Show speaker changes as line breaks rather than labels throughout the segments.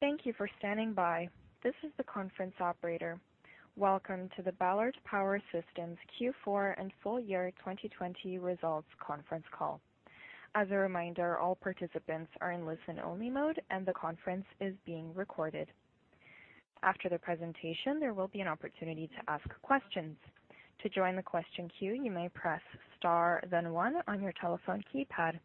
Thank you for standing by. This is the conference operator. Welcome to the Ballard Power Systems Q4 and full year 2020 results conference call. As a reminder, all participants are in listen-only mode, and the conference is being recorded. After the presentation, there will be an opportunity to ask questions. To join the question queue, you may press Star, then one on your telephone keypad.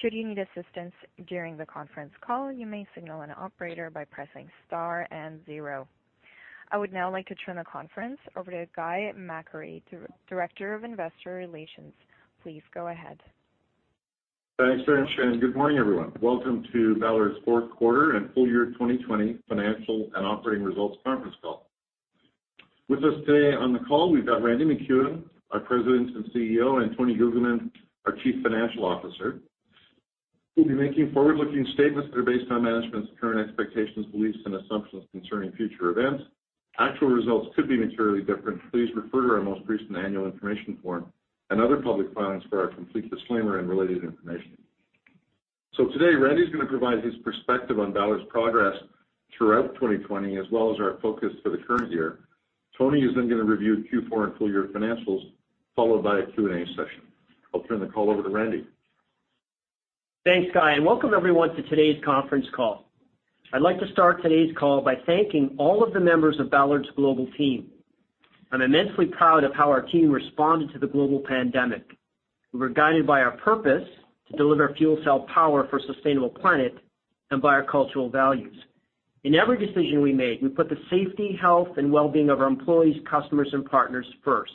Should you need assistance during the conference call, you may signal an operator by pressing star and zero. I would now like to turn the conference over to Guy McAree, Director of investor relations. Please go ahead.
Thanks very much. Good morning, everyone. Welcome to Ballard's fourth quarter and full year 20 financial and operating results conference call. With us today on the call, we've got Randy MacEwen, our President and CEO, and Tony Guglielmin, our Chief Financial Officer. We'll be making forward-looking statements that are based on management's current expectations, beliefs, and assumptions concerning future events. Actual results could be materially different. Please refer to our most recent annual information form and other public filings for our complete disclaimer and related information. Today, Randy is going to provide his perspective on Ballard's progress throughout 2020, as well as our focus for the current year. Tony is then going to review Q4 and full year financials, followed by a Q&A session. I'll turn the call over to Randy.
Thanks, Guy. Welcome everyone to today's conference call. I'd like to start today's call by thanking all of the members of Ballard's global team. I'm immensely proud of how our team responded to the global pandemic. We were guided by our purpose to deliver fuel cell power for sustainable planet and by our cultural values. In every decision we made, we put the safety, health, and well-being of our employees, customers, and partners first,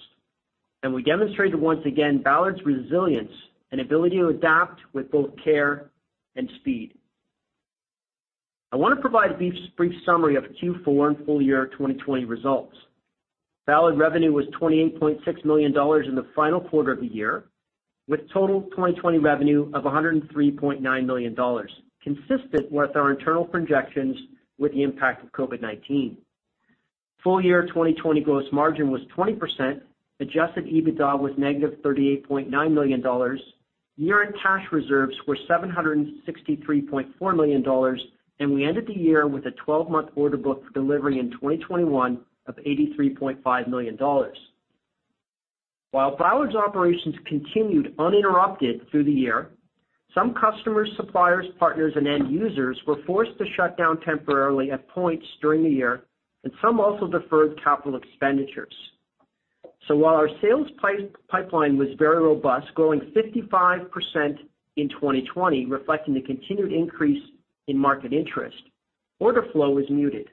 and we demonstrated once again Ballard's resilience and ability to adapt with both care and speed. I want to provide a brief summary of Q4 and full year 2020 results. Ballard revenue was 28.6 million dollars in the final quarter of the year, with total 2020 revenue of 103.9 million dollars, consistent with our internal projections with the impact of COVID-19. Full year 2020 gross margin was 20%, adjusted EBITDA was negative 38.9 million dollars, year-end cash reserves were 763.4 million dollars, we ended the year with a 12-month order book for delivery in 2021 of 83.5 million dollars. While Ballard's operations continued uninterrupted through the year, some customers, suppliers, partners, and end users were forced to shut down temporarily at points during the year, some also deferred capital expenditures. While our sales pipeline was very robust, growing 55% in 2020, reflecting the continued increase in market interest, order flow was muted.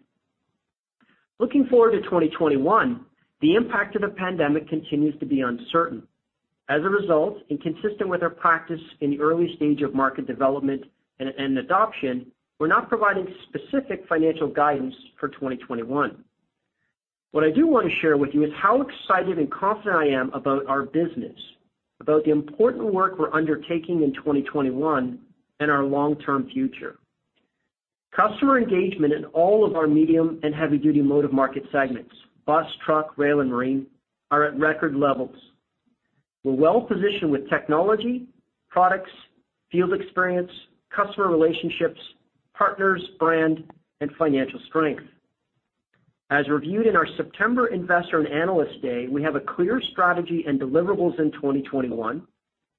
Looking forward to 2021, the impact of the pandemic continues to be uncertain. As a result, consistent with our practice in the early stage of market development and adoption, we're not providing specific financial guidance for 2021. What I do want to share with you is how excited and confident I am about our business, about the important work we're undertaking in 2021 and our long-term future. Customer engagement in all of our medium and heavy-duty motive market segments, bus, truck, rail, and marine, are at record levels. We're well positioned with technology, products, field experience, customer relationships, partners, brand, and financial strength. As reviewed in our September investor and analyst day, we have a clear strategy and deliverables in 2021,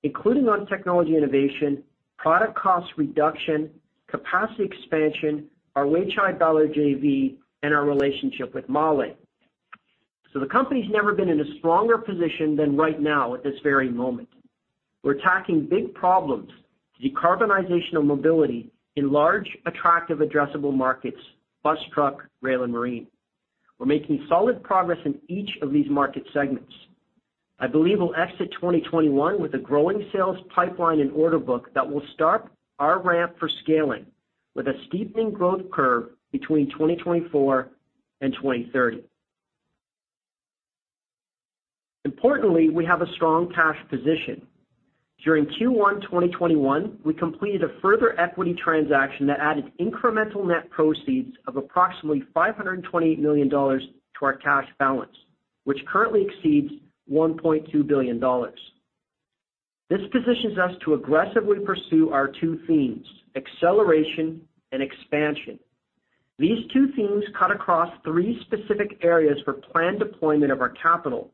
including on technology innovation, product cost reduction, capacity expansion, our Weichai Ballard JV, and our relationship with MAHLE. The company's never been in a stronger position than right now at this very moment. We're tackling big problems, the decarbonization of mobility in large, attractive, addressable markets, bus, truck, rail, and marine. We're making solid progress in each of these market segments. I believe we'll exit 2021 with a growing sales pipeline and order book that will start our ramp for scaling, with a steepening growth curve between 2024 and 2030. Importantly, we have a strong cash position. During Q1 2021, we completed a further equity transaction that added incremental net proceeds of approximately 528 million dollars to our cash balance, which currently exceeds 1.2 billion dollars. This positions us to aggressively pursue our two themes, acceleration and expansion. These two themes cut across three specific areas for planned deployment of our capital.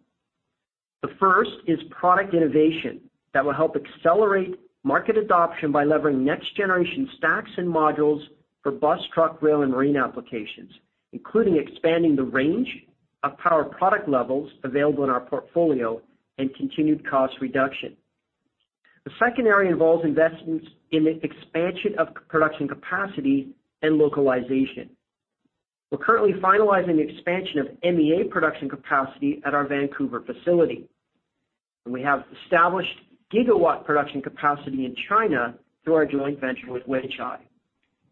The first is product innovation that will help accelerate market adoption by leveraging next-generation stacks and modules for bus, truck, rail, and marine applications, including expanding the range of power product levels available in our portfolio and continued cost reduction. The second area involves investments in the expansion of production capacity and localization. We're currently finalizing the expansion of MEA production capacity at our Vancouver facility, and we have established gigawatt production capacity in China through our joint venture with Weichai.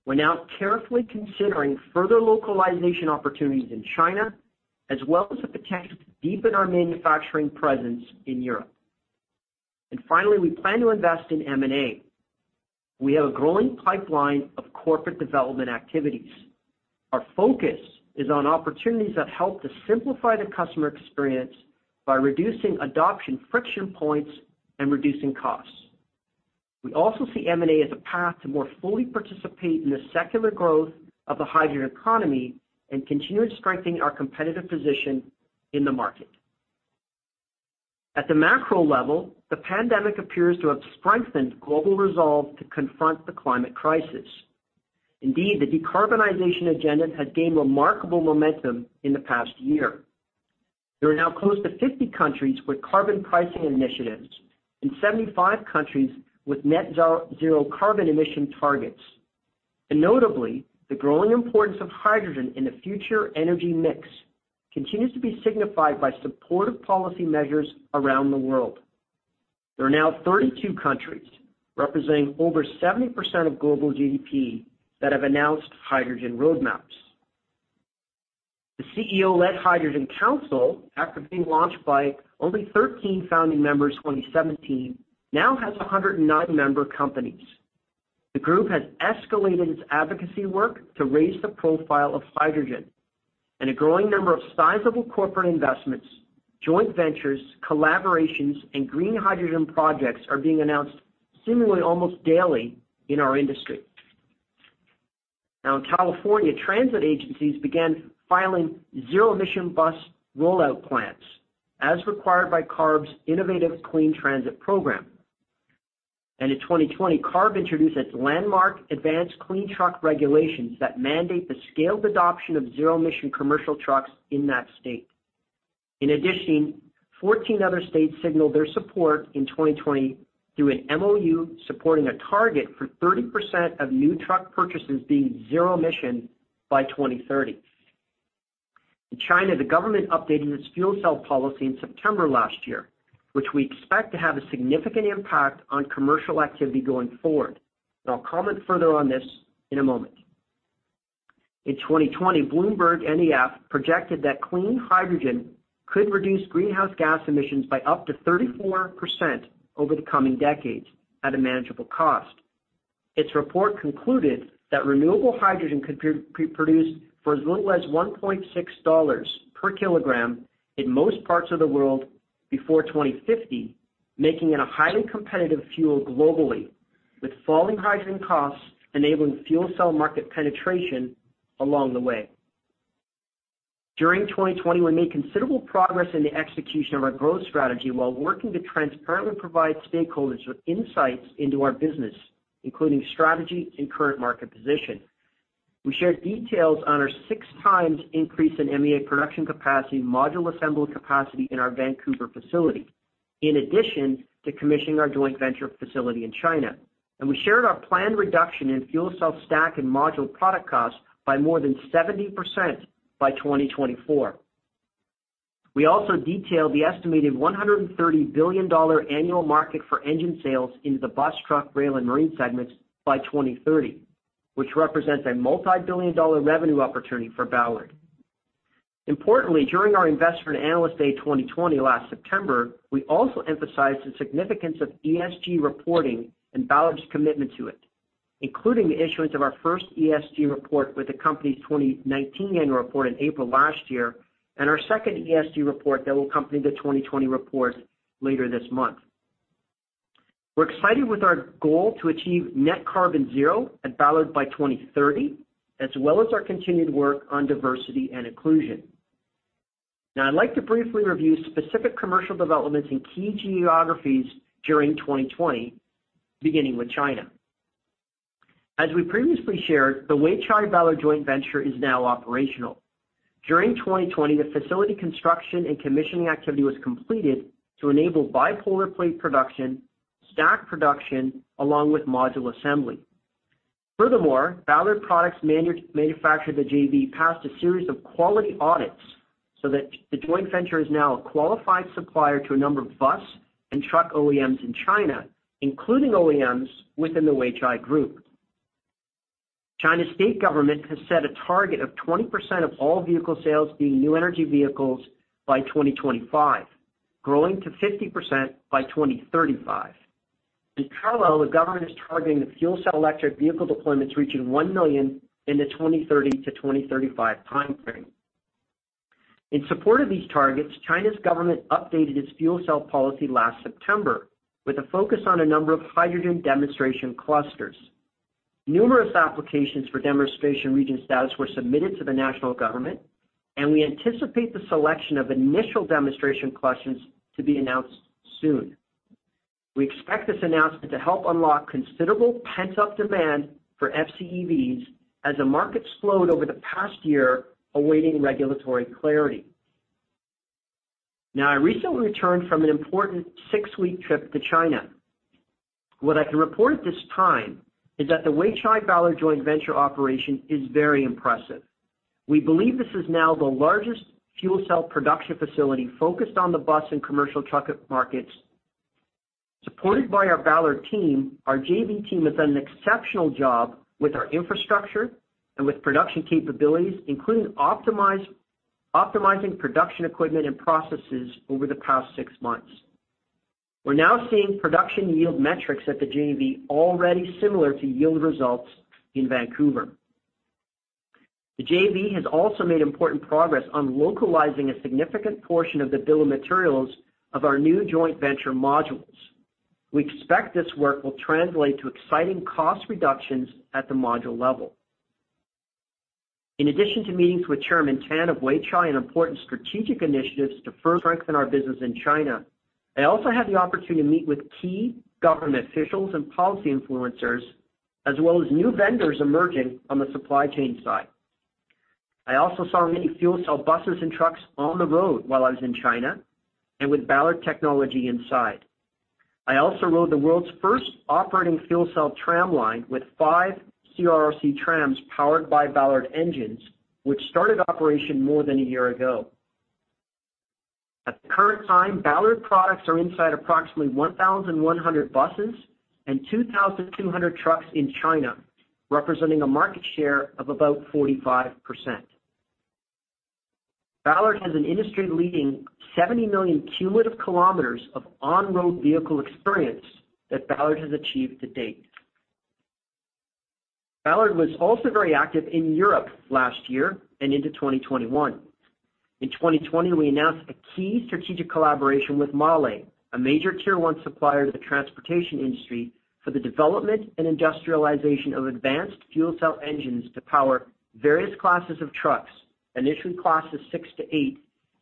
We're now carefully considering further localization opportunities in China, as well as the potential to deepen our manufacturing presence in Europe. Finally, we plan to invest in M&A. We have a growing pipeline of corporate development activities. Our focus is on opportunities that help to simplify the customer experience by reducing adoption friction points and reducing costs. We also see M&A as a path to more fully participate in the secular growth of the hydrogen economy and continue strengthening our competitive position in the market. At the macro level, the pandemic appears to have strengthened global resolve to confront the climate crisis. Indeed, the decarbonization agenda has gained remarkable momentum in the past year. There are now close to 50 countries with carbon pricing initiatives and 75 countries with net zero carbon emission targets. Notably, the growing importance of hydrogen in the future energy mix continues to be signified by supportive policy measures around the world. There are now 32 countries, representing over 70% of global GDP, that have announced hydrogen roadmaps. The CEO-led Hydrogen Council, after being launched by only 13 founding members in 2017, now has 109 member companies. The group has escalated its advocacy work to raise the profile of hydrogen. A growing number of sizable corporate investments, joint ventures, collaborations, and green hydrogen projects are being announced seemingly almost daily in our industry. Now, in California, transit agencies began filing zero-emission bus rollout plans as required by CARB's Innovative Clean Transit program. In 2020, CARB introduced its landmark Advanced Clean Truck regulations that mandate the scaled adoption of zero-emission commercial trucks in that state. In addition, 14 other states signaled their support in 2020 through an MOU, supporting a target for 30% of new truck purchases being zero emission by 2030. In China, the government updated its fuel cell policy in September last year, which we expect to have a significant impact on commercial activity going forward. I'll comment further on this in a moment. In 2020, BloombergNEF projected that clean hydrogen could reduce greenhouse gas emissions by up to 34% over the coming decades at a manageable cost. Its report concluded that renewable hydrogen could be produced for as little as $1.6 per kilogram in most parts of the world before 2050, making it a highly competitive fuel globally, with falling hydrogen costs enabling fuel cell market penetration along the way. During 2020, we made considerable progress in the execution of our growth strategy while working to transparently provide stakeholders with insights into our business, including strategy and current market position. We shared details on our 6 times increase in MEA production capacity, module assembly capacity in our Vancouver facility, in addition to commissioning our joint venture facility in China. We shared our planned reduction in fuel cell stack and module product costs by more than 70% by 2024. We also detailed the estimated 130 billion dollar annual market for engine sales into the bus, truck, rail, and marine segments by 2030, which represents a multi-billion-dollar revenue opportunity for Ballard. During our Investor and Analyst Day 2020 last September, we also emphasized the significance of ESG reporting and Ballard's commitment to it, including the issuance of our first ESG report with the company's 2019 annual report in April last year, and our second ESG report that will accompany the 2020 report later this month. We're excited with our goal to achieve net carbon zero at Ballard by 2030, as well as our continued work on diversity and inclusion. I'd like to briefly review specific commercial developments in key geographies during 2020, beginning with China. As we previously shared, the Weichai Ballard joint venture is now operational. During 2020, the facility construction and commissioning activity was completed to enable bipolar plate production, stack production, along with module assembly. Furthermore, Ballard products manufactured the JV, passed a series of quality audits so that the joint venture is now a qualified supplier to a number of bus and truck OEMs in China, including OEMs within the Weichai Group. China's state government has set a target of 20% of all vehicle sales being new energy vehicles by 2025, growing to 50% by 2035. In parallel, the government is targeting the fuel cell electric vehicle deployments reaching 1 million in the 2030-2035 timeframe. In support of these targets, China's government updated its fuel cell policy last September with a focus on a number of hydrogen demonstration clusters. Numerous applications for demonstration region status were submitted to the national government. We anticipate the selection of initial demonstration clusters to be announced soon. We expect this announcement to help unlock considerable pent-up demand for FCEVs as the market slowed over the past year, awaiting regulatory clarity. I recently returned from an important six-week trip to China. What I can report at this time is that the Weichai Ballard joint venture operation is very impressive. We believe this is now the largest fuel cell production facility focused on the bus and commercial truck markets. Supported by our Ballard team, our JV team has done an exceptional job with our infrastructure and with production capabilities, including optimizing production equipment and processes over the past six months. We're now seeing production yield metrics at the JV already similar to yield results in Vancouver. The JV has also made important progress on localizing a significant portion of the bill of materials of our new joint venture modules. We expect this work will translate to exciting cost reductions at the module level. In addition to meetings with Chairman Tan of Weichai and important strategic initiatives to further strengthen our business in China, I also had the opportunity to meet with key government officials and policy influencers, as well as new vendors emerging on the supply chain side. I also saw many fuel cell buses and trucks on the road while I was in China, and with Ballard technology inside. I also rode the world's first operating fuel cell tram line with five CRRC trams powered by Ballard engines, which started operation more than one year ago. At the current time, Ballard products are inside approximately 1,100 buses and 2,200 trucks in China, representing a market share of about 45%. Ballard has an industry-leading 70 million cumulative kilometers of on-road vehicle experience that Ballard has achieved to date. Ballard was also very active in Europe last year and into 2021. In 2020, we announced a key strategic collaboration with MAHLE, a major Tier one supplier to the transportation industry, for the development and industrialization of advanced fuel cell engines to power various classes of trucks, initially classes 6-8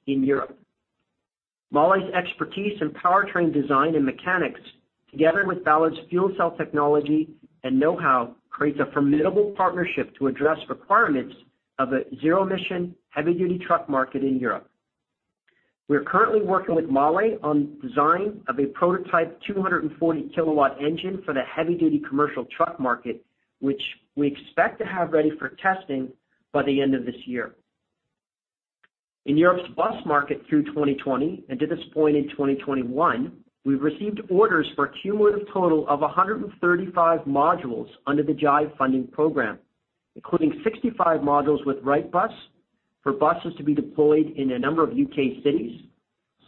in Europe. MAHLE's expertise in powertrain design and mechanics, together with Ballard's fuel cell technology and know-how, creates a formidable partnership to address requirements of a zero-emission, heavy-duty truck market in Europe. We are currently working with MAHLE on design of a prototype 240 kW engine for the heavy duty commercial truck market, which we expect to have ready for testing by the end of this year. In Europe's bus market through 2020 and to this point in 2021, we've received orders for a cumulative total of 135 modules under the JIVE funding program, including 65 modules with Wrightbus for buses to be deployed in a number of UK cities,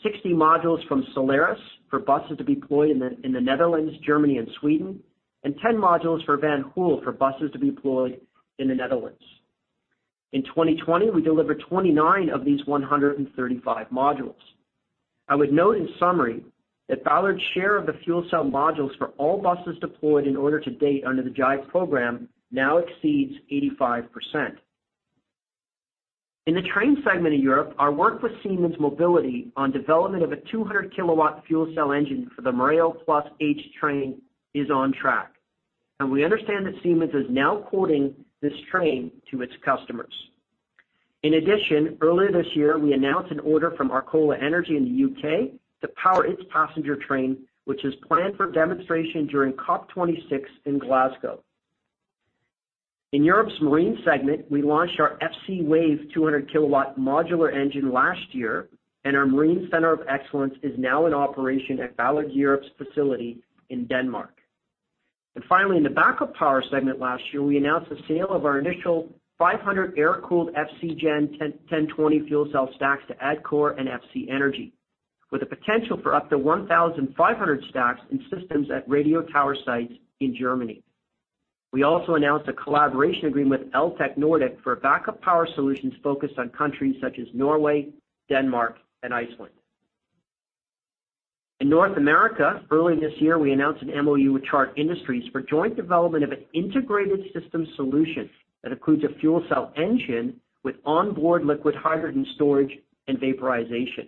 60 modules from Solaris for buses to be deployed in the Netherlands, Germany and Sweden, and 10 modules for Van Hool, for buses to be deployed in the Netherlands. In 2020, we delivered 29 of these 135 modules. I would note in summary, that Ballard's share of the fuel cell modules for all buses deployed in order to date under the JIVE programme now exceeds 85%. In the train segment in Europe, our work with Siemens Mobility on development of a 200 kW fuel cell engine for the Mireo Plus H train is on track, and we understand that Siemens is now quoting this train to its customers. In addition, earlier this year, we announced an order from Arcola Energy in the U.K. to power its passenger train, which is planned for demonstration during COP26 in Glasgow. In Europe's marine segment, we launched our FCwave 200 kW modular engine last year, and our Marine Center of Excellence is now in operation at Ballard Europe's facility in Denmark. Finally, in the backup power segment last year, we announced the sale of our initial 500 air-cooled FCgen 1020 fuel cell stacks to AdKor and FC Energy, with a potential for up to 1,500 stacks in systems at radio tower sites in Germany. We also announced a collaboration agreement with Eltek Nordic for backup power solutions focused on countries such as Norway, Denmark and Iceland. In North America, early this year, we announced an MOU with Chart Industries for joint development of an integrated system solution that includes a fuel cell engine with onboard liquid hydrogen storage and vaporization.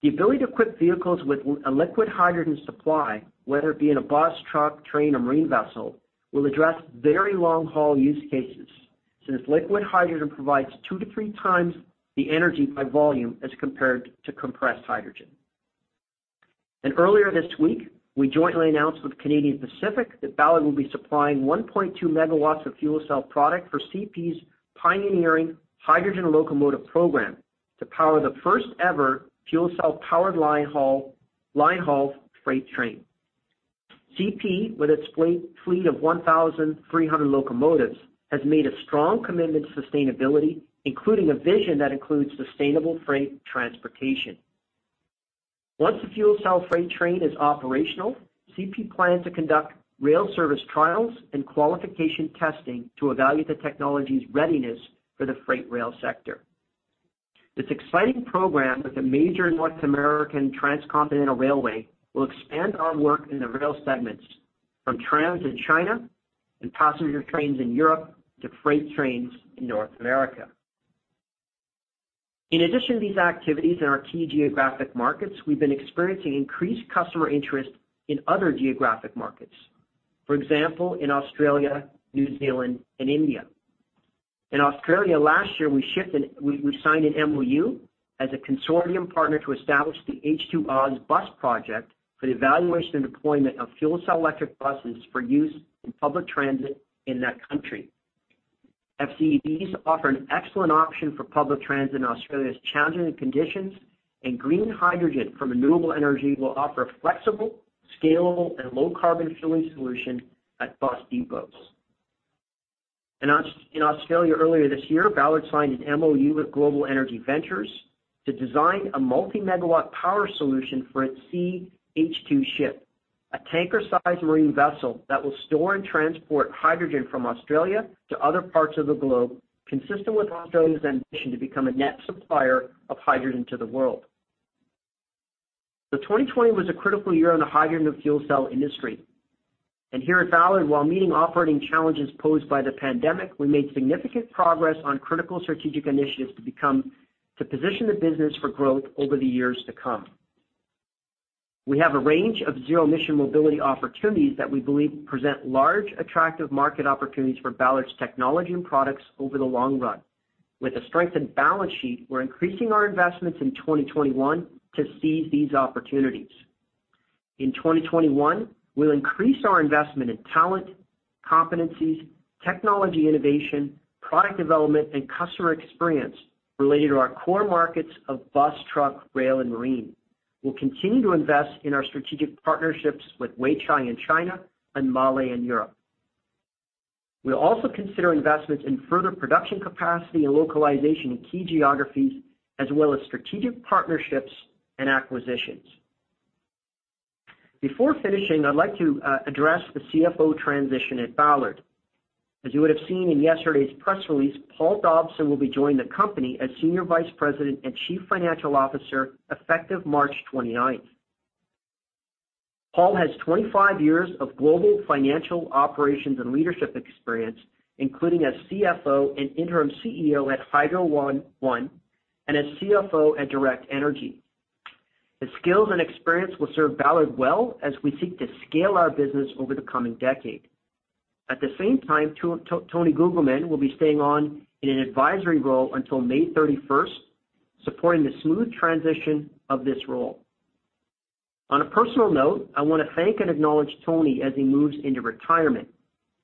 The ability to equip vehicles with a liquid hydrogen supply, whether it be in a bus, truck, train, or marine vessel, will address very long-haul use cases, since liquid hydrogen provides two to 3x the energy by volume as compared to compressed hydrogen. Earlier this week, we jointly announced with Canadian Pacific that Ballard will be supplying 1.2 megawatts of fuel cell product for CP's pioneering hydrogen locomotive program to power the first-ever fuel cell-powered line-haul freight train. CP, with its fleet of 1,300 locomotives, has made a strong commitment to sustainability, including a vision that includes sustainable freight transportation. Once the fuel cell freight train is operational, CP plans to conduct rail service trials and qualification testing to evaluate the technology's readiness for the freight rail sector. This exciting program with a major North American transcontinental railway will expand our work in the rail segments from trams in China and passenger trains in Europe to freight trains in North America. In addition to these activities in our key geographic markets, we've been experiencing increased customer interest in other geographic markets, for example, in Australia, New Zealand and India. In Australia last year, we signed an MOU as a consortium partner to establish the H2OzBus Project for the evaluation and deployment of fuel cell electric buses for use in public transit in that country. FCEVs offer an excellent option for public transit in Australia's challenging conditions, and green hydrogen from renewable energy will offer a flexible, scalable, and low-carbon fueling solution at bus depots. In Australia earlier this year, Ballard signed an MOU with Global Energy Ventures to design a multi-megawatt power solution for its C-H2 Ship, a tanker-sized marine vessel that will store and transport hydrogen from Australia to other parts of the globe, consistent with Australia's ambition to become a net supplier of hydrogen to the world. 2020 was a critical year in the hydrogen and fuel cell industry, and here at Ballard, while meeting operating challenges posed by the pandemic, we made significant progress on critical strategic initiatives to position the business for growth over the years to come. We have a range of zero-emission mobility opportunities that we believe present large, attractive market opportunities for Ballard's technology and products over the long run. With a strengthened balance sheet, we're increasing our investments in 2021 to seize these opportunities. In 2021, we'll increase our investment in talent, competencies, technology innovation, product development, and customer experience related to our core markets of bus, truck, rail, and marine. We'll continue to invest in our strategic partnerships with Weichai in China and MAHLE in Europe. We'll also consider investments in further production capacity and localization in key geographies, as well as strategic partnerships and acquisitions. Before finishing, I'd like to address the CFO transition at Ballard. As you would have seen in yesterday's press release, Paul Dobson will be joining the company as Senior Vice President and Chief Financial Officer, effective March 29th. Paul has 25 years of global financial operations and leadership experience, including as CFO and interim CEO at Hydro One, and as CFO at Direct Energy. His skills and experience will serve Ballard well as we seek to scale our business over the coming decade. At the same time, Tony Guglielmin will be staying on in an advisory role until May 31st, supporting the smooth transition of this role. On a personal note, I want to thank and acknowledge Tony as he moves into retirement.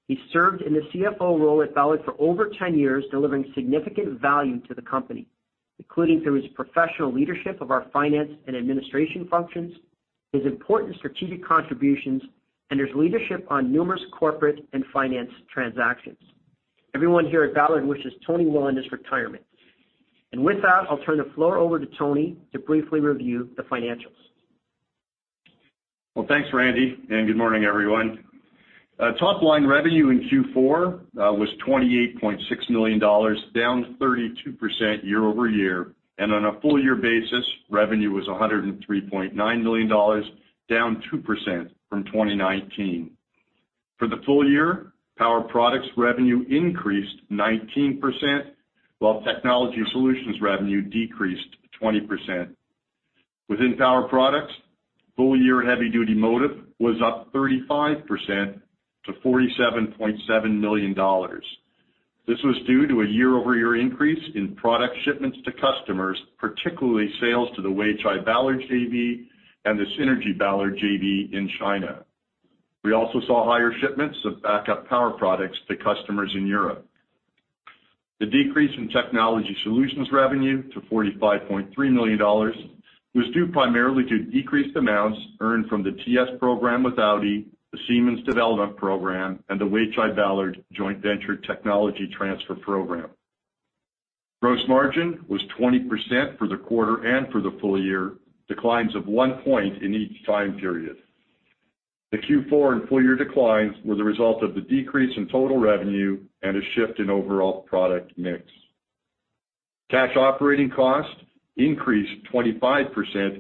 He served in the CFO role at Ballard for over 10 years, delivering significant value to the company, including through his professional leadership of our finance and administration functions, his important strategic contributions, and his leadership on numerous corporate and finance transactions. Everyone here at Ballard wishes Tony well in his retirement. With that, I'll turn the floor over to Tony to briefly review the financials.
Well, thanks, Randy, and good morning, everyone. Top-line revenue in Q4 was $28.6 million, down 32% year-over-year. On a full year basis, revenue was $103.9 million, down 2% from 2019. For the full year, Power Products revenue increased 19%, while Technology Solutions revenue decreased 20%. Within Power Products, full year heavy-duty motive was up 35% to $47.7 million. This was due to a year-over-year increase in product shipments to customers, particularly sales to the Weichai Ballard JV and the Synergy Ballard JV in China. We also saw higher shipments of backup power products to customers in Europe. The decrease in Technology Solutions revenue to $45.3 million was due primarily to decreased amounts earned from the TS program with Audi, the Siemens Development Program, and the Weichai Ballard joint venture technology transfer program. Gross margin was 20% for the quarter and for the full year, declines of 1 point in each time period. The Q4 and full year declines were the result of the decrease in total revenue and a shift in overall product mix. Cash operating cost increased 25%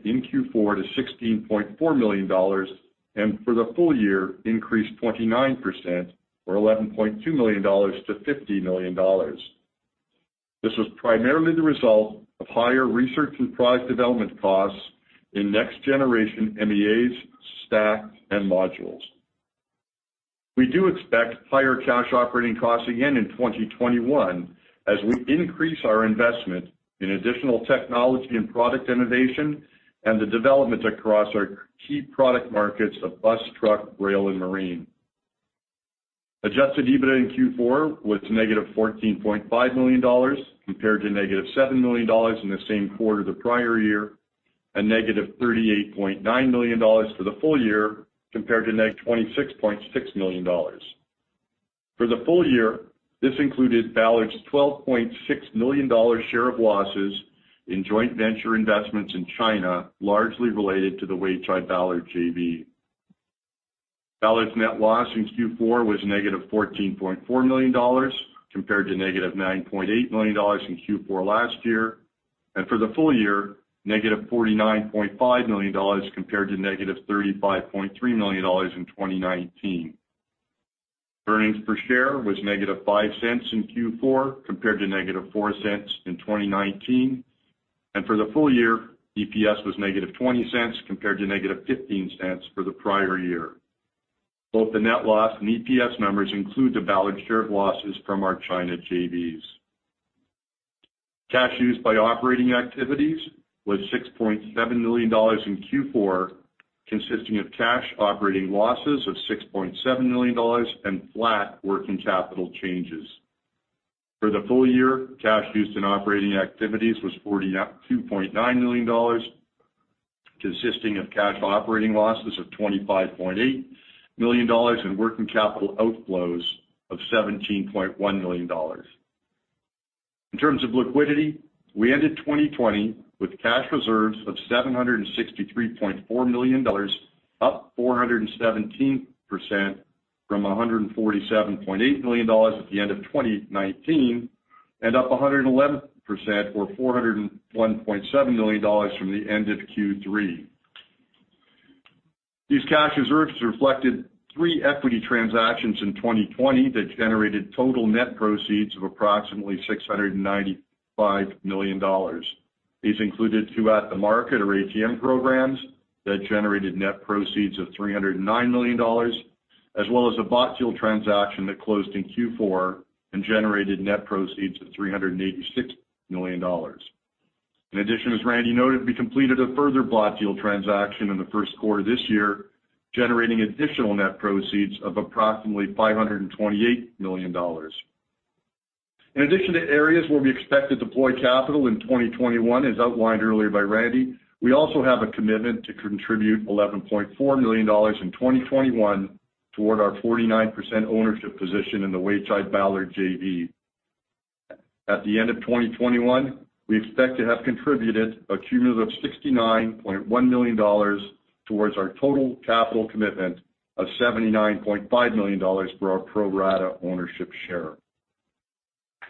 in Q4 to $16.4 million, and for the full year, increased 29%, or $11.2 million to $50 million. This was primarily the result of higher research and product development costs in next generation MEAs, stacks, and modules. We do expect higher cash operating costs again in 2021 as we increase our investment in additional technology and product innovation and the development across our key product markets of bus, truck, rail, and marine. Adjusted EBITDA in Q4 was negative $14.5 million, compared to negative $7 million in the same quarter the prior year, and negative $38.9 million for the full year, compared to negative $26.6 million. For the full year, this included Ballard's $12.6 million share of losses in joint venture investments in China, largely related to the Weichai Ballard JV. Ballard's net loss in Q4 was negative $14.4 million, compared to negative $9.8 million in Q4 last year, and for the full year, negative $49.5 million, compared to negative $35.3 million in 2019. Earnings per share was negative $0.05 in Q4, compared to negative $0.04 in 2019, and for the full year, EPS was negative $0.20, compared to negative $0.15 for the prior year. Both the net loss and EPS numbers include the Ballard share of losses from our China JVs. Cash used by operating activities was $6.7 million in Q4, consisting of cash operating losses of $6.7 million and flat working capital changes. For the full year, cash used in operating activities was $42.9 million. consisting of cash operating losses of 25.8 million dollars and working capital outflows of 17.1 million dollars. In terms of liquidity, we ended 2020 with cash reserves of 763.4 million dollars, up 417% from 147.8 million dollars at the end of 2019, and up 111%, or 401.7 million dollars from the end of Q3. These cash reserves reflected three equity transactions in 2020 that generated total net proceeds of approximately 695 million dollars. These included two at-the-market, or ATM, programs that generated net proceeds of 309 million dollars, as well as a bought deal transaction that closed in Q4 and generated net proceeds of 386 million dollars. In addition, as Randy noted, we completed a further bought deal transaction in the first quarter this year, generating additional net proceeds of approximately 528 million dollars. In addition to areas where we expect to deploy capital in 2021, as outlined earlier by Randy, we also have a commitment to contribute 11.4 million dollars in 2021 toward our 49% ownership position in the Weichai Ballard JV. At the end of 2021, we expect to have contributed a cumulative of 69.1 million dollars towards our total capital commitment of 79.5 million dollars for our pro rata ownership share.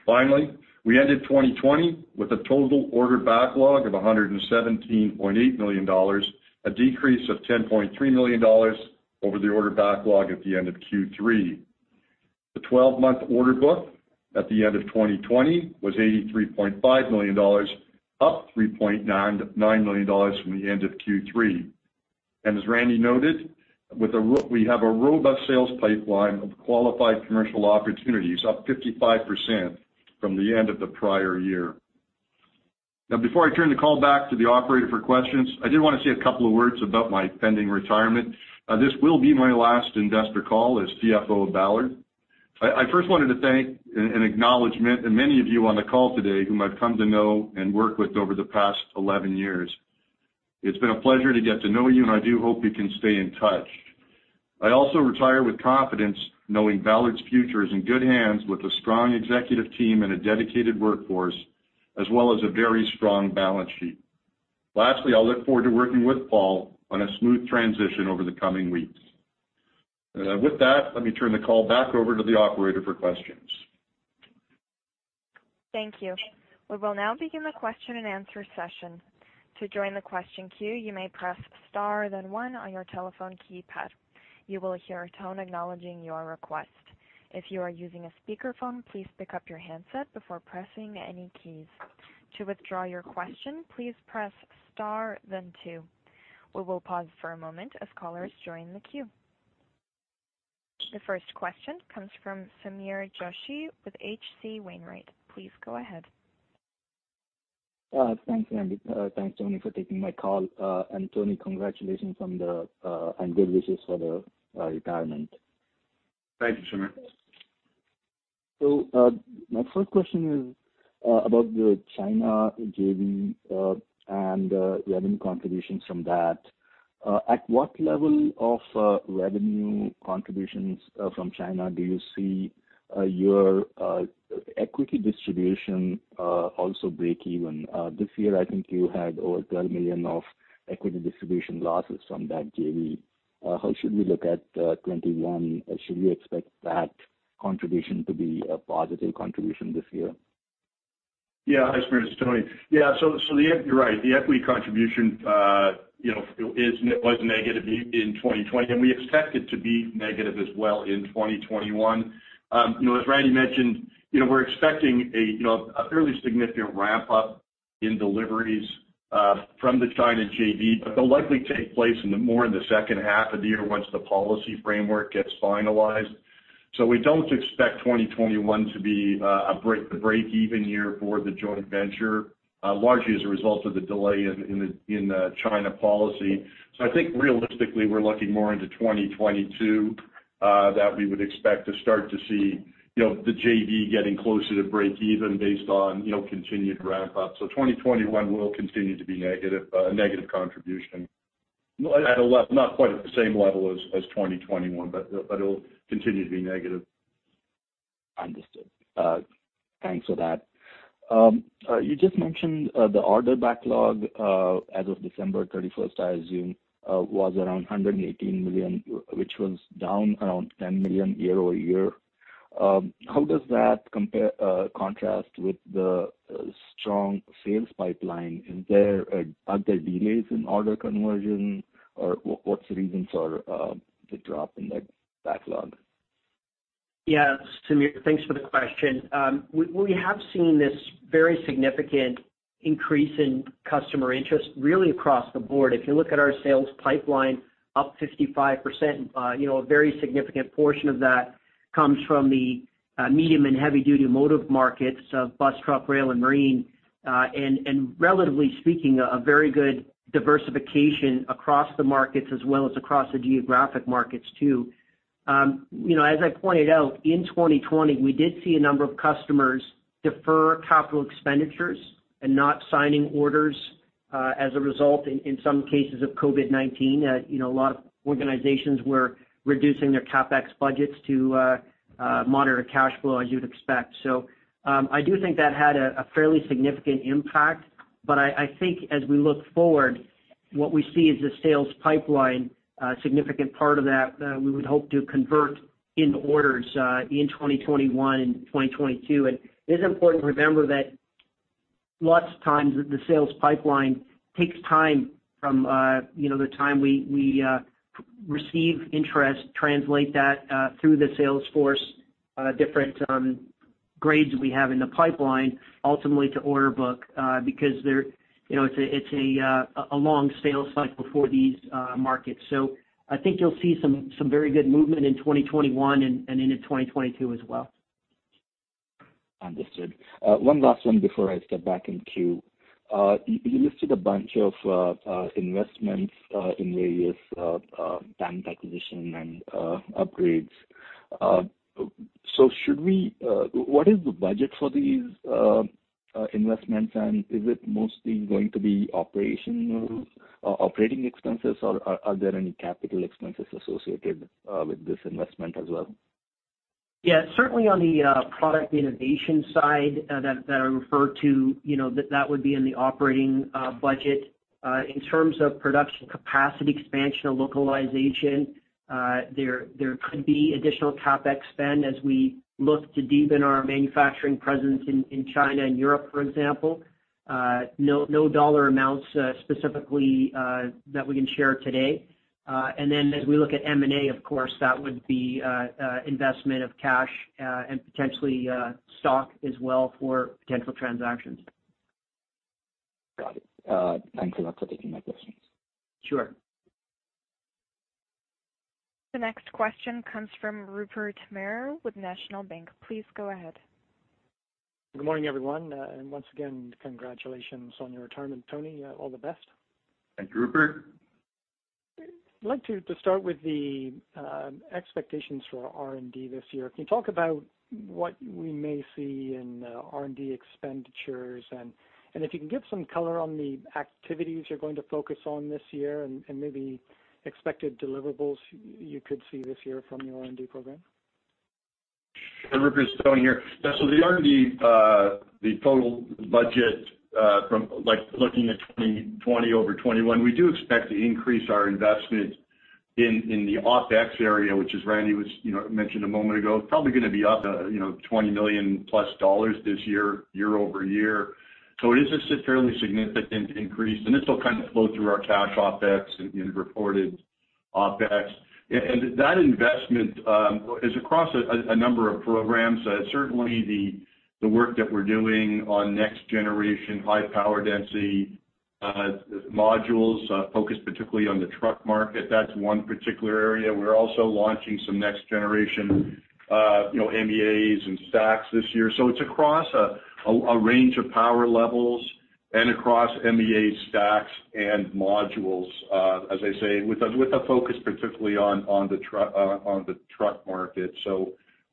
Finally, we ended 2020 with a total order backlog of 117.8 million dollars, a decrease of 10.3 million dollars over the order backlog at the end of Q3. The 12-month order book at the end of 2020 was 83.5 million dollars, up 9 million dollars from the end of Q3. As Randy noted, we have a robust sales pipeline of qualified commercial opportunities, up 55% from the end of the prior year. Before I turn the call back to the operator for questions, I did want to say a couple of words about my pending retirement. This will be my last investor call as CFO of Ballard. I first wanted to thank in acknowledgment, and many of you on the call today, whom I've come to know and work with over the past 11 years. It's been a pleasure to get to know you, and I do hope we can stay in touch. I also retire with confidence, knowing Ballard's future is in good hands with a strong executive team and a dedicated workforce, as well as a very strong balance sheet. Lastly, I'll look forward to working with Paul on a smooth transition over the coming weeks. With that, let me turn the call back over to the operator for questions.
Thank you. We will now begin the question-and-answer session. To join the question queue, you may press star, then one on your telephone keypad. You will hear a tone acknowledging your request. If you are using a speakerphone, please pick up your handset before pressing any keys. To withdraw your question, please press star then two. We will pause for a moment as callers join the queue. The first question comes from Sameer Joshi with H.C. Wainwright. Please go ahead.
Thanks, Randy. Thanks, Tony, for taking my call. Tony, congratulations on the, and good wishes for the, retirement.
Thank you, Sameer.
My first question is about the China JV and revenue contributions from that. At what level of revenue contributions from China do you see your equity distribution also break even? This year, I think you had over 13 million of equity distribution losses from that JV. How should we look at 2021? Should we expect that contribution to be a positive contribution this year?
Hi, Sameer, this is Tony. you're right. The equity contribution, you know, was negative in 2020, and we expect it to be negative as well in 2021. you know, as Randy mentioned, you know, we're expecting a, you know, a fairly significant ramp-up in deliveries from the China JV, but they'll likely take place more in the second half of the year, once the policy framework gets finalized. we don't expect 2021 to be a break-even year for the joint venture, largely as a result of the delay in the China policy. I think realistically, we're looking more into 2022, that we would expect to start to see, you know, the JV getting closer to break even based on, you know, continued ramp-up. 2021 will continue to be negative, a negative contribution. Not quite at the same level as 2021, but it'll continue to be negative.
Understood. Thanks for that. You just mentioned the order backlog as of December 31st, I assume, was around 118 million, which was down around 10 million year-over-year. How does that compare, contrast with the strong sales pipeline? Are there delays in order conversion, or what's the reasons for the drop in that backlog?
Yeah, Sameer, thanks for the question. We have seen this very significant increase in customer interest, really across the board. If you look at our sales pipeline, up 55%, you know, a very significant portion of that comes from the medium and heavy-duty motive markets of bus, truck, rail, and marine, and relatively speaking, a very good diversification across the markets as well as across the geographic markets, too. You know, as I pointed out, in 2020, we did see a number of customers defer capital expenditures and not signing orders, as a result, in some cases of COVID-19. You know, a lot of organizations were reducing their CapEx budgets to monitor cash flow, as you'd expect. I do think that had a fairly significant impact, but I think as we look forward, what we see is the sales pipeline, significant part of that, we would hope to convert into orders in 2021 and 2022. It is important to remember that lots of times, the sales pipeline takes time from, you know, the time we receive interest, translate that through the sales force, different grades we have in the pipeline, ultimately to order book, because they're, you know, it's a long sales cycle for these markets. I think you'll see some very good movement in 2021 and into 2022 as well.
Understood. One last one before I step back in queue. You listed a bunch of investments in various plant acquisition and upgrades. What is the budget for these investments, and is it mostly going to be operational or operating expenses, or are there any capital expenses associated with this investment as well?
Yeah, certainly on the product innovation side, that I referred to, you know, that would be in the operating budget. In terms of production capacity, expansion, and localization, there could be additional CapEx spend as we look to deepen our manufacturing presence in China and Europe, for example. No dollar amounts, specifically, that we can share today. As we look at M&A, of course, that would be investment of cash, and potentially stock as well for potential transactions.
Got it. Thanks a lot for taking my questions.
Sure.
The next question comes from Rupert Merer with National Bank. Please go ahead.
Good morning, everyone, and once again, congratulations on your retirement, Tony. All the best.
Thank you, Rupert.
I'd like to start with the expectations for R&D this year. Can you talk about what we may see in R&D expenditures? If you can give some color on the activities you're going to focus on this year and maybe expected deliverables you could see this year from the R&D program.
Hi, Rupert, Tony here. The R&D, the total budget, from like looking at 2020 over 2021, we do expect to increase our investment in the OpEx area, which is Randy was, you know, mentioned a moment ago. It's probably gonna be up, you know, $20 million+ this year-over-year. It is a fairly significant increase, and this will kind of flow through our cash OpEx and reported OpEx. That investment, is across a number of programs. Certainly the work that we're doing on next-generation, high-power density, modules, focused particularly on the truck market, that's one particular area. We're also launching some next-generation, you know, MEAs and stacks this year. It's across a range of power levels and across MEA stacks and modules, as I say, with a focus particularly on the truck market.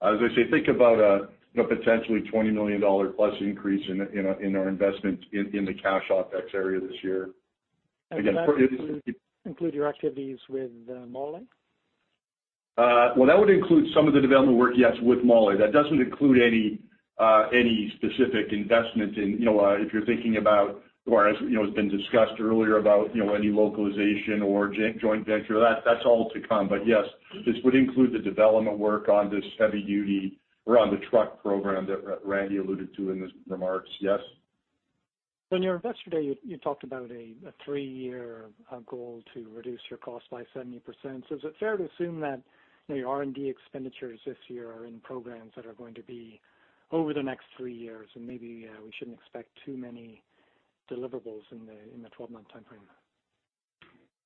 As I say, think about a, you know, potentially 20 million dollar plus increase in our investment in the cash OpEx area this year.
Include your activities with, MAHLE?
Well, that would include some of the development work, yes, with MAHLE. That doesn't include any specific investment in, you know, if you're thinking about or, as you know, it's been discussed earlier about, you know, any localization or joint venture, that's all to come. Yes, this would include the development work on this heavy-duty, around the truck program that Randy alluded to in his remarks. Yes.
On your Investor Day, you talked about a three-year goal to reduce your cost by 70%. Is it fair to assume that, you know, your R&D expenditures this year are in programs that are going to be over the next three years, and maybe we shouldn't expect too many deliverables in the 12-month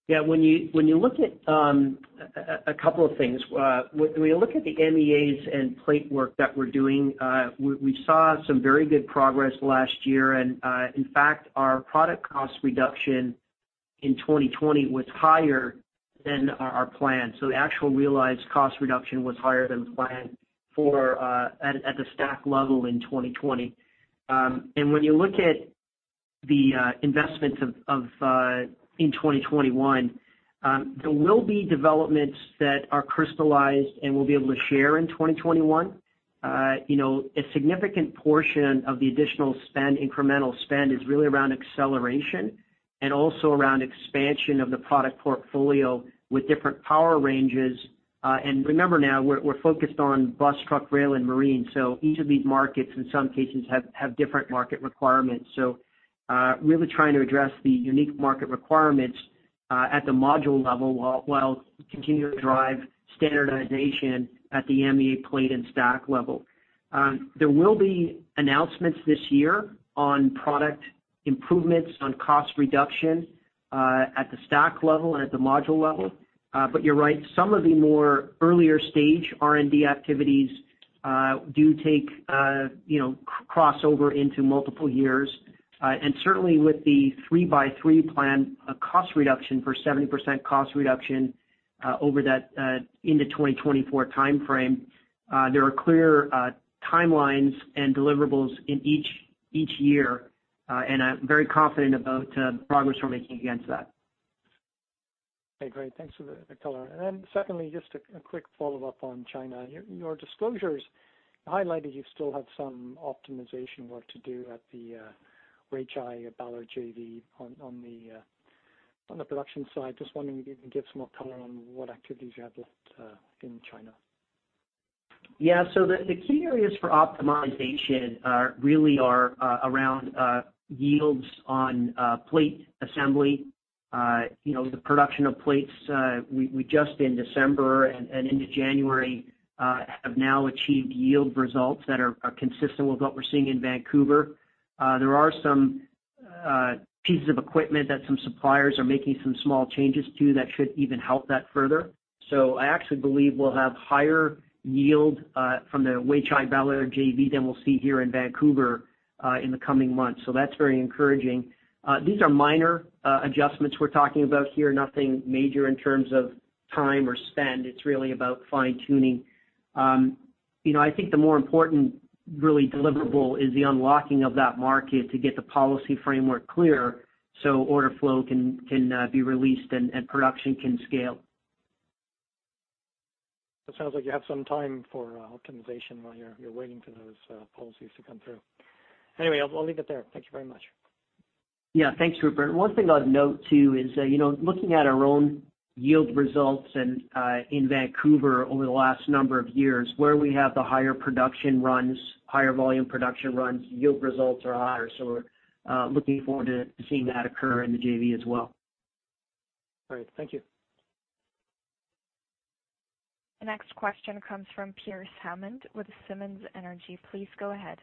timeframe?
When you look at a couple of things, when you look at the MEAs and plate work that we're doing, we saw some very good progress last year. In fact, our product cost reduction in 2020 was higher than our plan. The actual realized cost reduction was higher than planned for at the stack level in 2020. When you look at the investments in 2021, there will be developments that are crystallized and we'll be able to share in 2021. You know, a significant portion of the additional spend, incremental spend, is really around acceleration and also around expansion of the product portfolio with different power ranges. Remember, now, we're focused on bus, truck, rail, and marine, so each of these markets, in some cases, have different market requirements. Really trying to address the unique market requirements at the module level, while continuing to drive standardization at the MEA plate and stack level. There will be announcements this year on product improvements, on cost reduction at the stack level and at the module level. You're right, some of the more earlier stage R&D activities do take, you know, cross over into multiple years. Certainly with the 3-by-3 plan, a cost reduction for 70% cost reduction over that into 2024 timeframe, there are clear timelines and deliverables in each year, and I'm very confident about the progress we're making against that.
Okay, great. Thanks for the color. Secondly, just a quick follow-up on China. Your disclosures highlighted you still have some optimization work to do at the Weichai Ballard JV on the production side. Just wondering if you can give some more color on what activities you have left in China.
Yeah. The key areas for optimization are really around yields on plate assembly. You know, the production of plates, we just in December and into January, have now achieved yield results that are consistent with what we're seeing in Vancouver. There are some pieces of equipment that some suppliers are making some small changes to, that should even help that further. I actually believe we'll have higher yield from the Weichai Ballard JV than we'll see here in Vancouver in the coming months. That's very encouraging. These are minor adjustments we're talking about here, nothing major in terms of time or spend. It's really about fine-tuning. You know, I think the more important really deliverable is the unlocking of that market to get the policy framework clear, so order flow can be released and production can scale.
It sounds like you have some time for optimization while you're waiting for those policies to come through. I'll leave it there. Thank you very much.
Yeah. Thanks, Rupert. One thing I'd note, too, is that, you know, looking at our own yield results and in Vancouver over the last number of years, where we have the higher production runs, higher volume production runs, yield results are higher. We're looking forward to seeing that occur in the JV as well.
Great. Thank you.
The next question comes from Pearce Hammond with Simmons Energy. Please go ahead.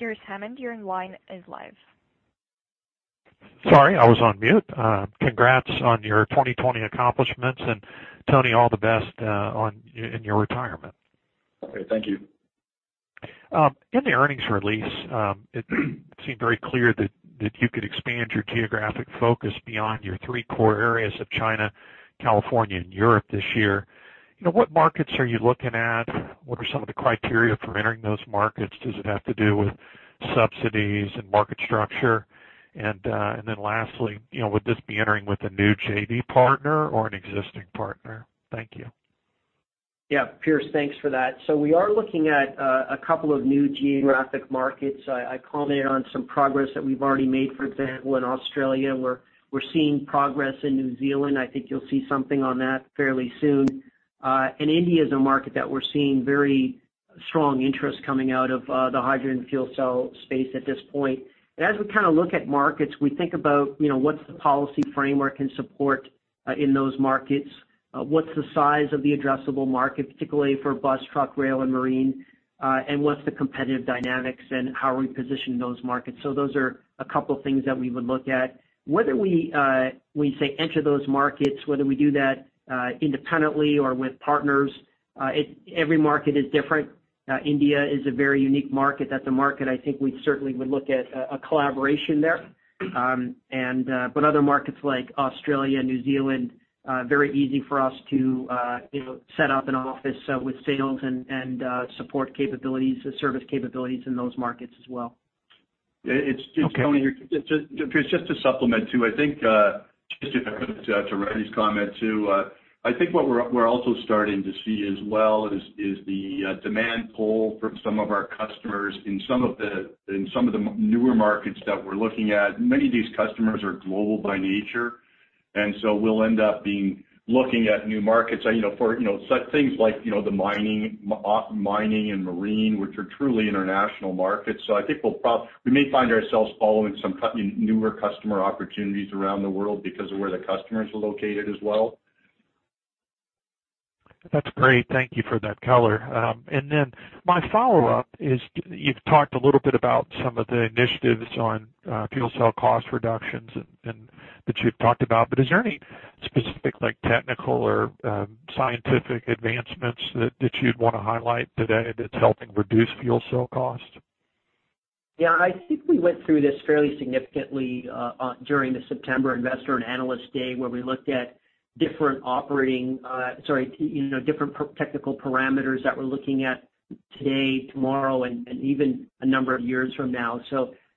Pearce Hammond, you're line is live.
Sorry, I was on mute. Congrats on your 2020 accomplishments, Tony, all the best in your retirement.
Okay. Thank you.
In the earnings release, it seemed very clear that you could expand your geographic focus beyond your three core areas of China, California, and Europe this year. You know, what markets are you looking at? What are some of the criteria for entering those markets? Does it have to do with subsidies and market structure? Then lastly, you know, would this be entering with a new JV partner or an existing partner? Thank you.
Yeah, Pearce, thanks for that. We are looking at a couple of new geographic markets. I commented on some progress that we've already made, for example, in Australia, where we're seeing progress in New Zealand. I think you'll see something on that fairly soon. India is a market that we're seeing very strong interest coming out of the hydrogen fuel cell space at this point. As we kind of look at markets, we think about, you know, what's the policy framework and support in those markets? What's the size of the addressable market, particularly for bus, truck, rail, and marine? What's the competitive dynamics and how are we positioned in those markets? Those are a couple of things that we would look at. Whether we say enter those markets, whether we do that independently or with partners, every market is different. India is a very unique market, that's a market I think we certainly would look at a collaboration there. But other markets like Australia, New Zealand, very easy for us to, you know, set up an office with sales and support capabilities and service capabilities in those markets as well.
Okay.
It's Tony, Pearce, just to supplement, too, I think, just to Randy's comment, too, I think what we're also starting to see as well is the demand pull from some of our customers in some of the newer markets that we're looking at. Many of these customers are global by nature. We'll end up being, looking at new markets, you know, for, you know, such things like, you know, the mining and marine, which are truly international markets. I think we may find ourselves following some newer customer opportunities around the world because of where the customers are located as well.
That's great. Thank you for that color. My follow-up is, you've talked a little bit about some of the initiatives on fuel cell cost reductions and that you've talked about, but is there any specific, like, technical or scientific advancements that you'd want to highlight today that's helping reduce fuel cell cost?
I think we went through this fairly significantly during the September Investor and Analyst Day, where we looked at different operating, you know, different technical parameters that we're looking at today, tomorrow, and even a number of years from now.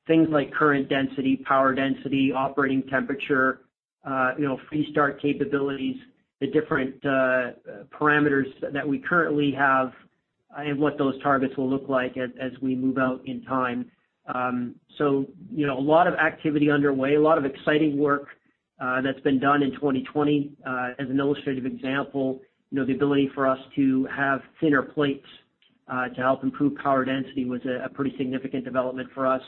Things like current density, power density, operating temperature, you know, free start capabilities, the different parameters that we currently have, and what those targets will look like as we move out in time. You know, a lot of activity underway, a lot of exciting work that's been done in 2020. As an illustrative example, you know, the ability for us to have thinner plates to help improve power density was a pretty significant development for us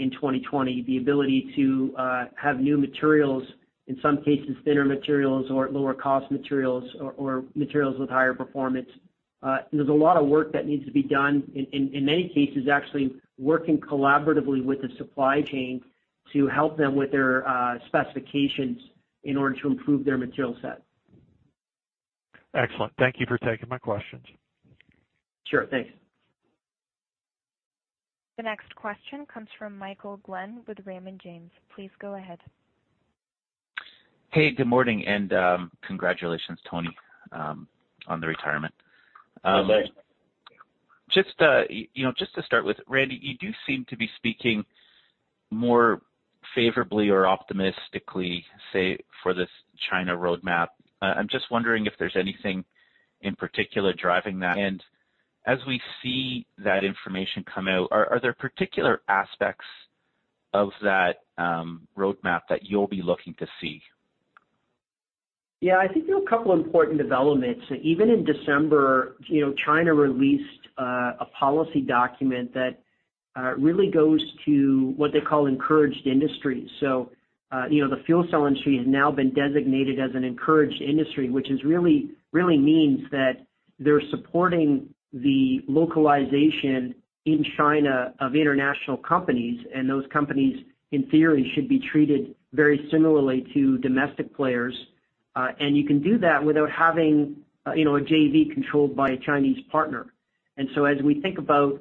in 2020. The ability to have new materials, in some cases, thinner materials or lower cost materials or materials with higher performance. There's a lot of work that needs to be done, in many cases, actually working collaboratively with the supply chain to help them with their specifications in order to improve their material set.
Excellent. Thank you for taking my questions.
Sure, thanks.
The next question comes from Michael Glen with Raymond James. Please go ahead.
Hey, good morning, and, congratulations, Tony, on the retirement.
Thanks.
Just, you know, just to start with, Randy, you do seem to be speaking more favorably or optimistically, say, for this China roadmap. I'm just wondering if there's anything in particular driving that? As we see that information come out, are there particular aspects of that roadmap that you'll be looking to see?
Yeah, I think there are a couple important developments. Even in December, you know, China released a policy document that really goes to what they call encouraged industry. You know, the fuel cell industry has now been designated as an encouraged industry, which really means that they're supporting the localization in China of international companies, and those companies, in theory, should be treated very similarly to domestic players. You can do that without having, you know, a JV controlled by a Chinese partner. As we think about,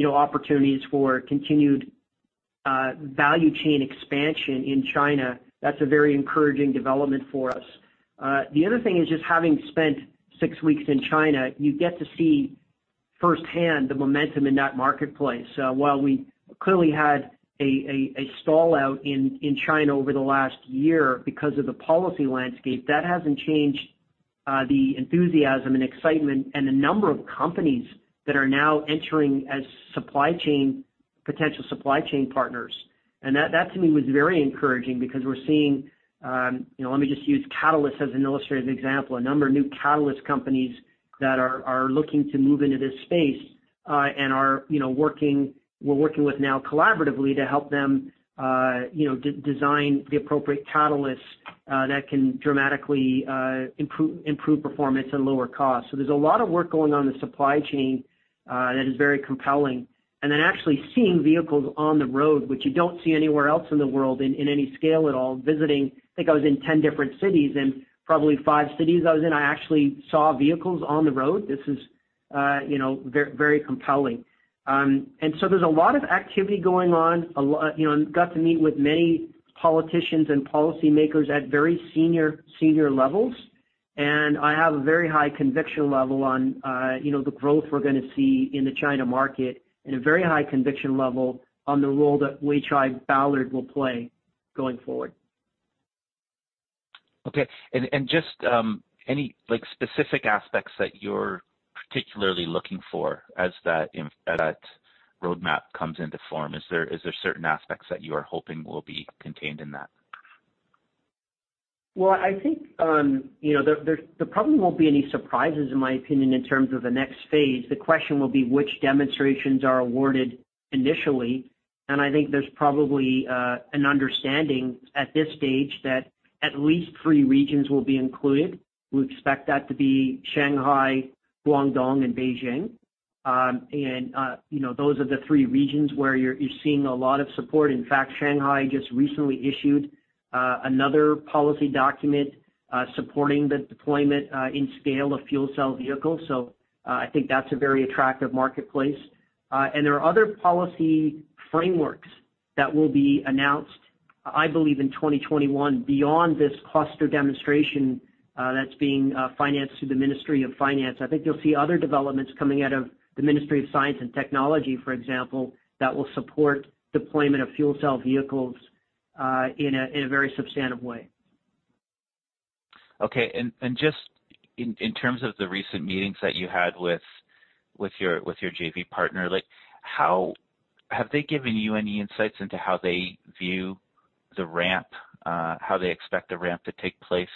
you know, opportunities for continued value chain expansion in China, that's a very encouraging development for us. The other thing is just having spent six weeks in China, you get to see firsthand the momentum in that marketplace. While we clearly had a stall out in China over the last year because of the policy landscape. That hasn't changed the enthusiasm and excitement and the number of companies that are now entering as potential supply chain partners. That to me was very encouraging because we're seeing, you know, let me just use Catalyst as an illustrative example, a number of new catalyst companies that are looking to move into this space, and are, you know, working with now collaboratively to help them, you know, design the appropriate catalysts that can dramatically improve performance and lower cost. There's a lot of work going on in the supply chain that is very compelling. Actually seeing vehicles on the road, which you don't see anywhere else in the world in any scale at all, visiting, I think I was in 10 different cities, and probably five cities I was in, I actually saw vehicles on the road. This is, you know, very compelling. There's a lot of activity going on. You know, got to meet with many politicians and policymakers at very senior levels, and I have a very high conviction level on, you know, the growth we're gonna see in the China market, and a very high conviction level on the role that Weichai Ballard will play going forward.
Okay. Just, any, like, specific aspects that you're particularly looking for as that roadmap comes into form? Is there certain aspects that you are hoping will be contained in that?
Well, I think, you know, there probably won't be any surprises, in my opinion, in terms of the next phase. The question will be which demonstrations are awarded initially. I think there's probably an understanding at this stage that at least three regions will be included. We expect that to be Shanghai, Guangdong, and Beijing. You know, those are the three regions where you're seeing a lot of support. In fact, Shanghai just recently issued another policy document supporting the deployment in scale of fuel cell vehicles. I think that's a very attractive marketplace. There are other policy frameworks that will be announced, I believe, in 2021, beyond this cluster demonstration that's being financed through the Ministry of Finance. I think you'll see other developments coming out of the Ministry of Science and Technology, for example, that will support deployment of fuel cell vehicles, in a very substantive way.
Okay. Just in terms of the recent meetings that you had with your JV partner, like, have they given you any insights into how they view the ramp, how they expect the ramp to take place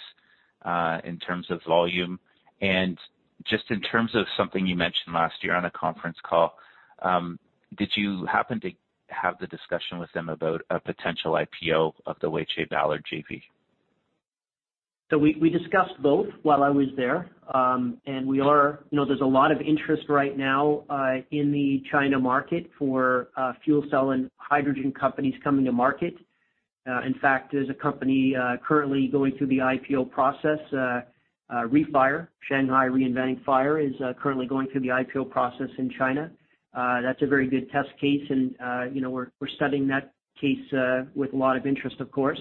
in terms of volume? Just in terms of something you mentioned last year on a conference call, did you happen to have the discussion with them about a potential IPO of the Weichai Ballard JV?
We discussed both while I was there. You know, there's a lot of interest right now in the China market for fuel cell and hydrogen companies coming to market. In fact, there's a company currently going through the IPO process, REFIRE. Shanghai Reinventing Fire Technology Company Limited is currently going through the IPO process in China. That's a very good test case, you know, we're studying that case with a lot of interest, of course.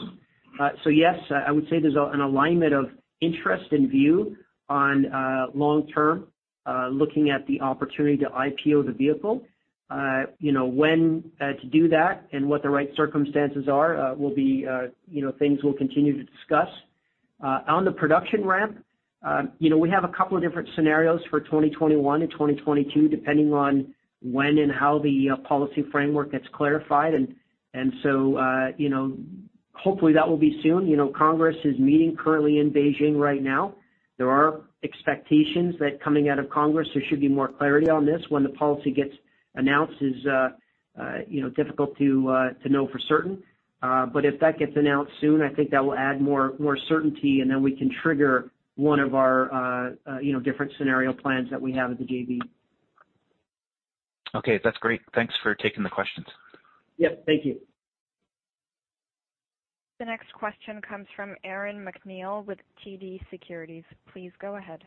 Yes, I would say there's an alignment of interest and view on long term, looking at the opportunity to IPO the vehicle. You know, when to do that and what the right circumstances are will be, you know, things we'll continue to discuss. On the production ramp, you know, we have a couple of different scenarios for 2021 and 2022, depending on when and how the policy framework gets clarified. Hopefully, that will be soon. You know, Congress is meeting currently in Beijing right now. There are expectations that coming out of Congress, there should be more clarity on this. When the policy gets announced is, you know, difficult to know for certain. But if that gets announced soon, I think that will add more, more certainty, and then we can trigger one of our, you know, different scenario plans that we have at the JV.
Okay, that's great. Thanks for taking the questions.
Yep, thank you.
The next question comes from Aaron MacNeil with TD Securities. Please go ahead.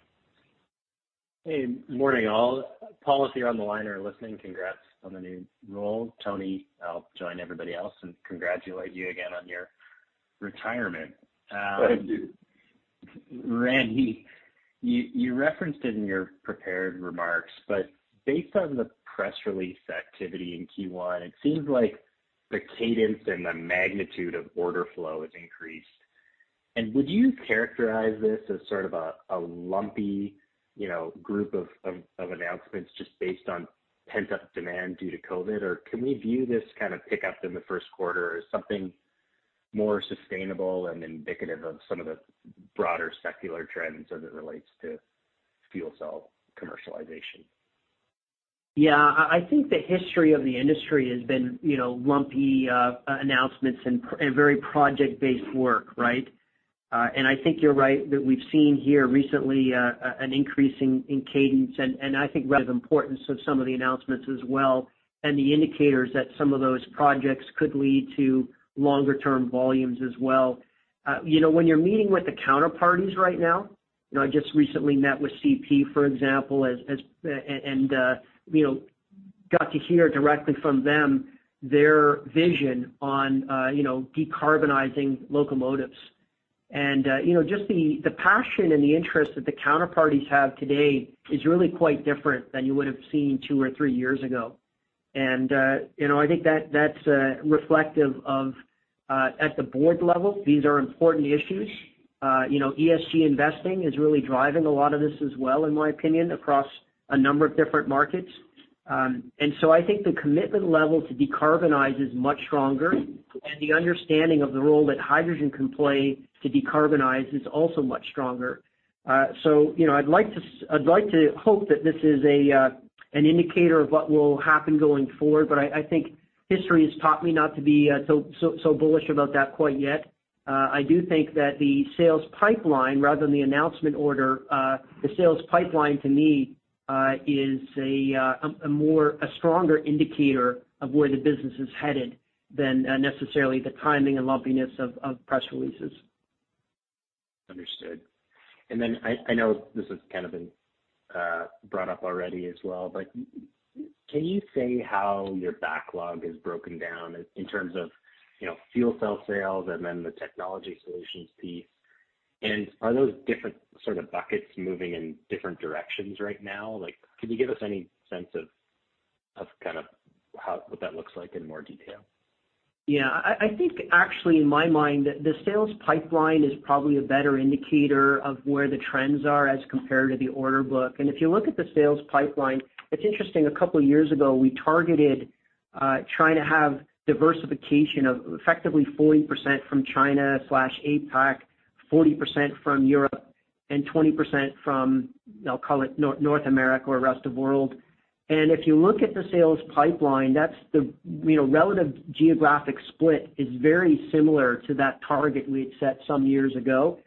Hey, good morning, all. Paul is here on the line or listening, congrats on the new role. Tony, I'll join everybody else and congratulate you again on your retirement.
Thank you.
Rand, you referenced it in your prepared remarks, but based on the press release activity in Q1, it seems like the cadence and the magnitude of order flow has increased. Would you characterize this as sort of a lumpy, you know, group of announcements just based on pent-up demand due to COVID? Or can we view this kind of pick up in the first quarter as something more sustainable and indicative of some of the broader secular trends as it relates to fuel cell commercialization?
Yeah, I think the history of the industry has been, you know, lumpy announcements and very project-based work, right? I think you're right, that we've seen here recently, an increase in cadence, and I think rather the importance of some of the announcements as well, and the indicators that some of those projects could lead to longer term volumes as well. You know, when you're meeting with the counterparties right now, you know, I just recently met with CP, for example, as, and, you know, got to hear directly from them their vision on, you know, decarbonizing locomotives. You know, just the passion and the interest that the counterparties have today is really quite different than you would have seen two or three years ago. You know, I think that's reflective of at the board level, these are important issues. You know, ESG investing is really driving a lot of this as well, in my opinion, across a number of different markets. I think the commitment level to decarbonize is much stronger, and the understanding of the role that hydrogen can play to decarbonize is also much stronger. You know, I'd like to hope that this is an indicator of what will happen going forward, but I think history has taught me not to be so bullish about that quite yet. I do think that the sales pipeline, rather than the announcement order, the sales pipeline, to me, is a stronger indicator of where the business is headed than, necessarily the timing and lumpiness of press releases.
Understood. I know this has kind of been brought up already as well, but can you say how your backlog is broken down in terms of, you know, fuel cell sales and then the technology solutions piece? Are those different sort of buckets moving in different directions right now? Like, can you give us any sense of kind of how, what that looks like in more detail?
I think actually, in my mind, the sales pipeline is probably a better indicator of where the trends are as compared to the order book. If you look at the sales pipeline, it's interesting, a couple of years ago, we targeted trying to have diversification of effectively 40% from China/APAC, 40% from Europe, and 20% from, I'll call it North America or rest of world. If you look at the sales pipeline, that's the, you know, relative geographic split is very similar to that target we had set some years ago.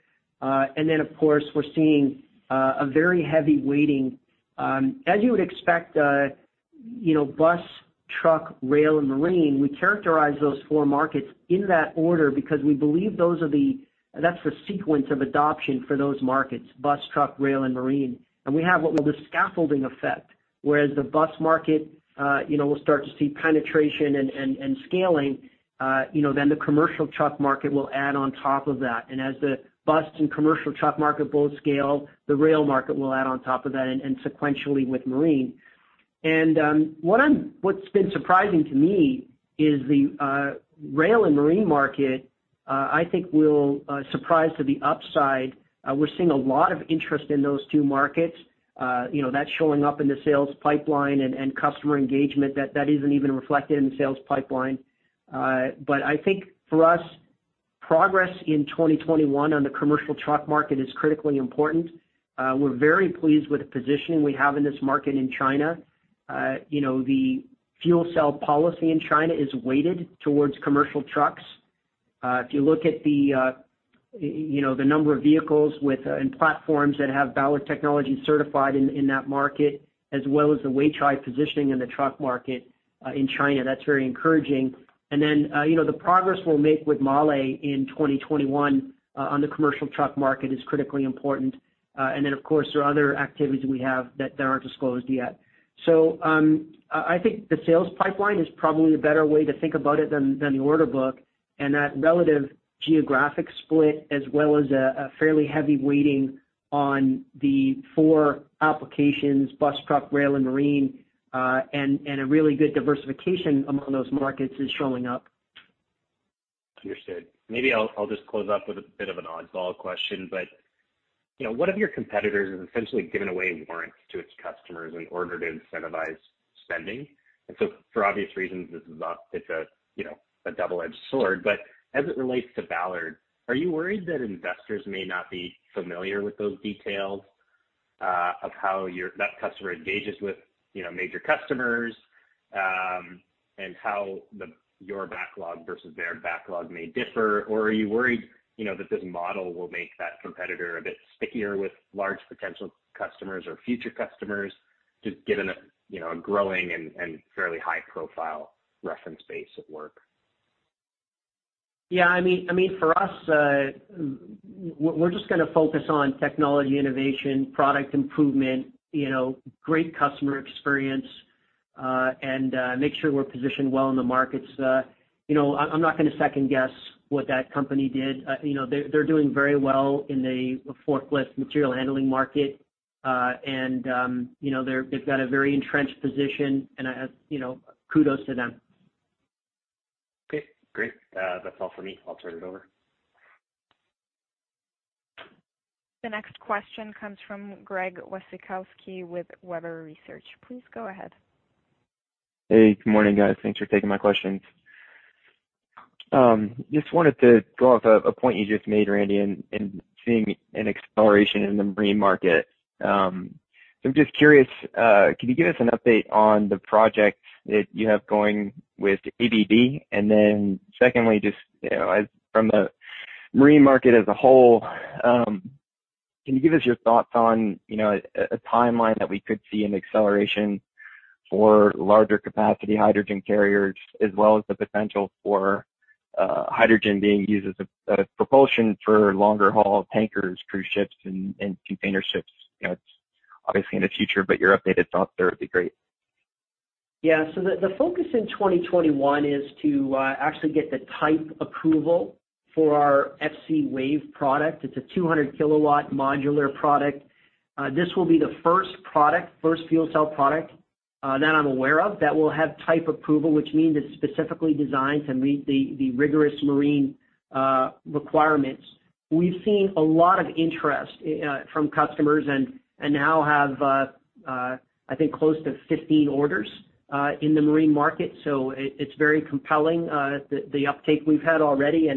Of course, we're seeing a very heavy weighting. As you would expect, you know, bus, truck, rail, and marine, we characterize those four markets in that order because we believe that's the sequence of adoption for those markets: bus, truck, rail, and marine. We have what we call the scaffolding effect, whereas the bus market, you know, we'll start to see penetration and scaling, you know, then the commercial truck market will add on top of that. As the bus and commercial truck market both scale, the rail market will add on top of that and sequentially with marine. What's been surprising to me is the rail and marine market, I think will surprise to the upside. We're seeing a lot of interest in those two markets. You know, that's showing up in the sales pipeline and customer engagement, that isn't even reflected in the sales pipeline. I think for us, progress in 2021 on the commercial truck market is critically important. We're very pleased with the positioning we have in this market in China. You know, the fuel cell policy in China is weighted towards commercial trucks. If you look at the, you know, the number of vehicles with and platforms that have Ballard technology certified in that market, as well as the Weichai positioning in the truck market in China, that's very encouraging. You know, the progress we'll make with MAHLE in 2021 on the commercial truck market is critically important. Of course, there are other activities that we have that aren't disclosed yet. I think the sales pipeline is probably a better way to think about it than the order book, and that relative geographic split, as well as a fairly heavy weighting on the four applications: bus, truck, rail, and marine, and a really good diversification among those markets is showing up.
Understood. Maybe I'll just close up with a bit of an oddball question, but, you know, one of your competitors has essentially given away warrants to its customers in order to incentivize spending. For obvious reasons, this is, it's a, you know, a double-edged sword. As it relates to Ballard, are you worried that investors may not be familiar with those details? Of how your, that customer engages with, you know, major customers, and how the your backlog versus their backlog may differ? Are you worried, you know, that this model will make that competitor a bit stickier with large potential customers or future customers, just given a, you know, a growing and fairly high-profile reference base at work?
Yeah, I mean, for us, we're just gonna focus on technology, innovation, product improvement, you know, great customer experience, and make sure we're positioned well in the markets. You know, I'm not gonna second guess what that company did. You know, they're doing very well in the forklift material handling market. You know, they've got a very entrenched position, and, you know, kudos to them.
Okay, great. That's all for me. I'll turn it over.
The next question comes from Gregory Wasikowski with Webber Research. Please go ahead.
Hey, good morning, guys. Thanks for taking my questions. Just wanted to go off a point you just made, Randy, in seeing an acceleration in the marine market. I'm just curious, can you give us an update on the project that you have going with ABB? Secondly, just, you know, as from the marine market as a whole, can you give us your thoughts on, you know, a timeline that we could see an acceleration for larger capacity hydrogen carriers, as well as the potential for hydrogen being used as a propulsion for longer haul tankers, cruise ships, and container ships? You know, it's obviously in the future, but your updated thoughts there would be great.
Yeah, the focus in 2021 is to actually get the Type Approval for our FCwave product. It's a 200 kW modular product. This will be the first fuel cell product that I'm aware of, that will have Type Approval, which means it's specifically designed to meet the rigorous marine requirements. We've seen a lot of interest from customers and now have, I think close to 15 orders in the marine market, so it's very compelling the uptake we've had already.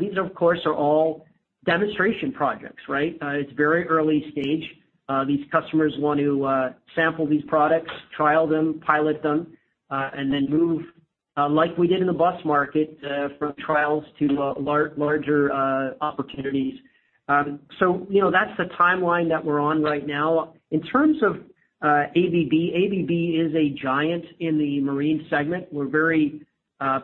These, of course, are all demonstration projects, right? It's very early stage. These customers want to sample these products, trial them, pilot them, and then move, like we did in the bus market, from trials to larger opportunities. You know, that's the timeline that we're on right now. In terms of ABB is a giant in the marine segment. We're very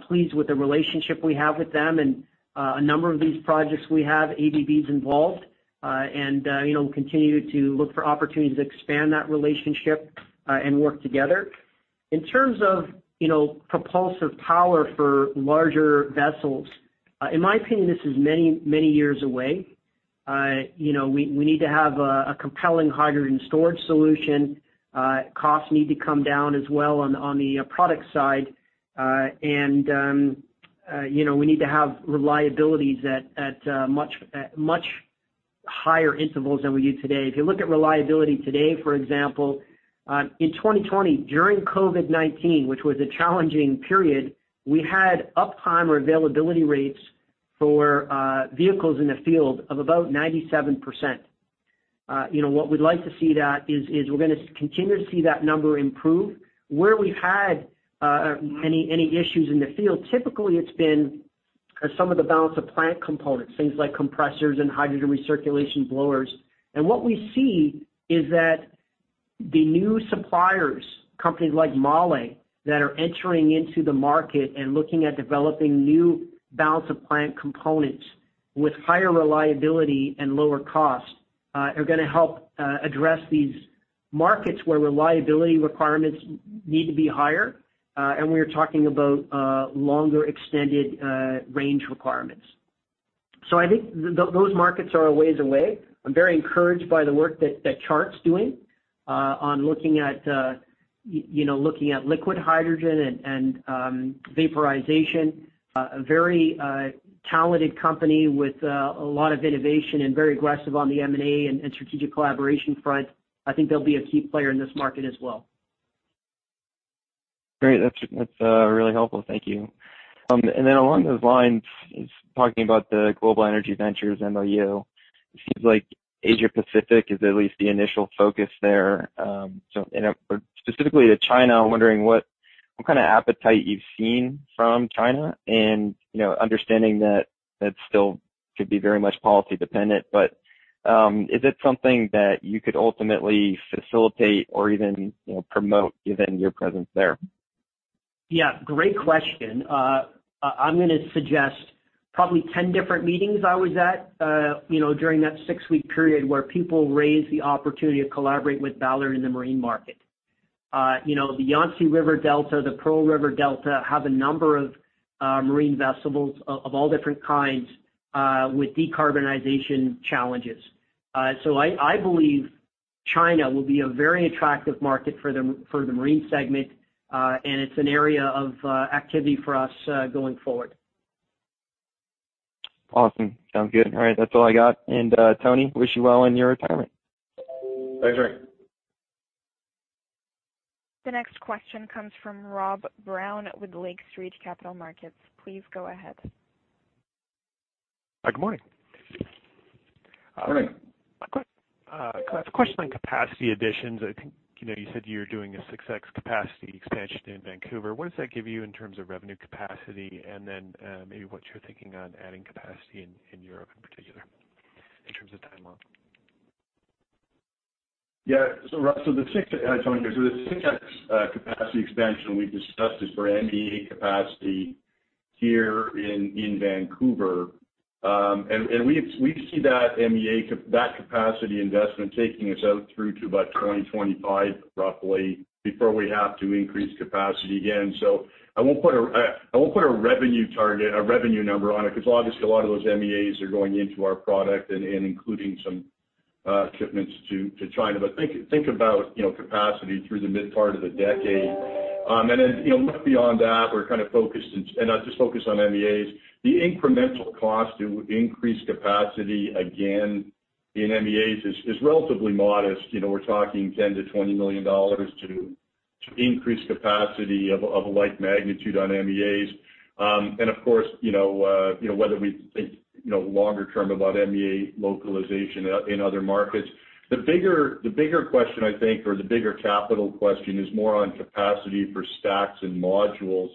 pleased with the relationship we have with them, and a number of these projects we have, ABB is involved. You know, continue to look for opportunities to expand that relationship, and work together. In terms of, you know, propulsive power for larger vessels, in my opinion, this is many, many years away. You know, we need to have a compelling hydrogen storage solution. Costs need to come down as well on the product side. You know, we need to have reliabilities at much higher intervals than we do today. If you look at reliability today, for example, in 2020, during COVID-19, which was a challenging period, we had uptime or availability rates for vehicles in the field of about 97%. You know, what we'd like to see that is we're gonna continue to see that number improve. Where we've had any issues in the field, typically it's been some of the balance of plant components, things like compressors and hydrogen recirculation blowers. What we see is that the new suppliers, companies like MAHLE, that are entering into the market and looking at developing new balance of plant components with higher reliability and lower cost, are gonna help address these markets, where reliability requirements need to be higher, and we are talking about longer extended, range requirements. I think those markets are a ways away. I'm very encouraged by the work that Chart's doing on looking at, you know, looking at liquid hydrogen and vaporization. A very talented company with a lot of innovation and very aggressive on the M&A and strategic collaboration front. I think they'll be a key player in this market as well.
Great. That's really helpful. Thank you. Along those lines, just talking about the Global Energy Ventures MOU, it seems like Asia Pacific is at least the initial focus there. Specifically to China, I'm wondering what kind of appetite you've seen from China and, you know, understanding that that still could be very much policy dependent, but, is it something that you could ultimately facilitate or even, you know, promote given your presence there?
Yeah, great question. I'm gonna suggest probably 10 different meetings I was at, you know, during that six-week period, where people raised the opportunity to collaborate with Ballard in the marine market. You know, the Yangtze River Delta, the Pearl River Delta, have a number of marine vessels of all different kinds, with decarbonization challenges. I believe China will be a very attractive market for the marine segment, and it's an area of activity for us going forward.
Awesome. Sounds good. All right. That's all I got. Tony Guglielmin, wish you well in your retirement.
Thanks, Greg.
The next question comes from Rob Brown with Lake Street Capital Markets. Please go ahead.
Hi, good morning.
Good morning.
Quick, I have a question on capacity additions. I think, you know, you said you're doing a 6x capacity expansion in Vancouver. What does that give you in terms of revenue capacity, and then, maybe what you're thinking on adding capacity in Europe, in particular, in terms of timeline?
Yeah. Russ, Tony, the 6x capacity expansion we've discussed is for MEA capacity here in Vancouver. And we see that MEA that capacity investment taking us out through to about 2025, roughly, before we have to increase capacity again. I won't put a revenue target, a revenue number on it, 'cause obviously, a lot of those MEAs are going into our product and including some shipments to China. Think about, you know, capacity through the mid part of the decade. You know, look beyond that, we're kind of focused and not just focused on MEAs. The incremental cost to increase capacity again in MEAs is relatively modest. You know, we're talking 10 million-20 million dollars to increase capacity of a like magnitude on MEAs. Of course, you know, whether we think, you know, longer term about MEA localization in other markets. The bigger question, I think, or the bigger capital question is more on capacity for stacks and modules.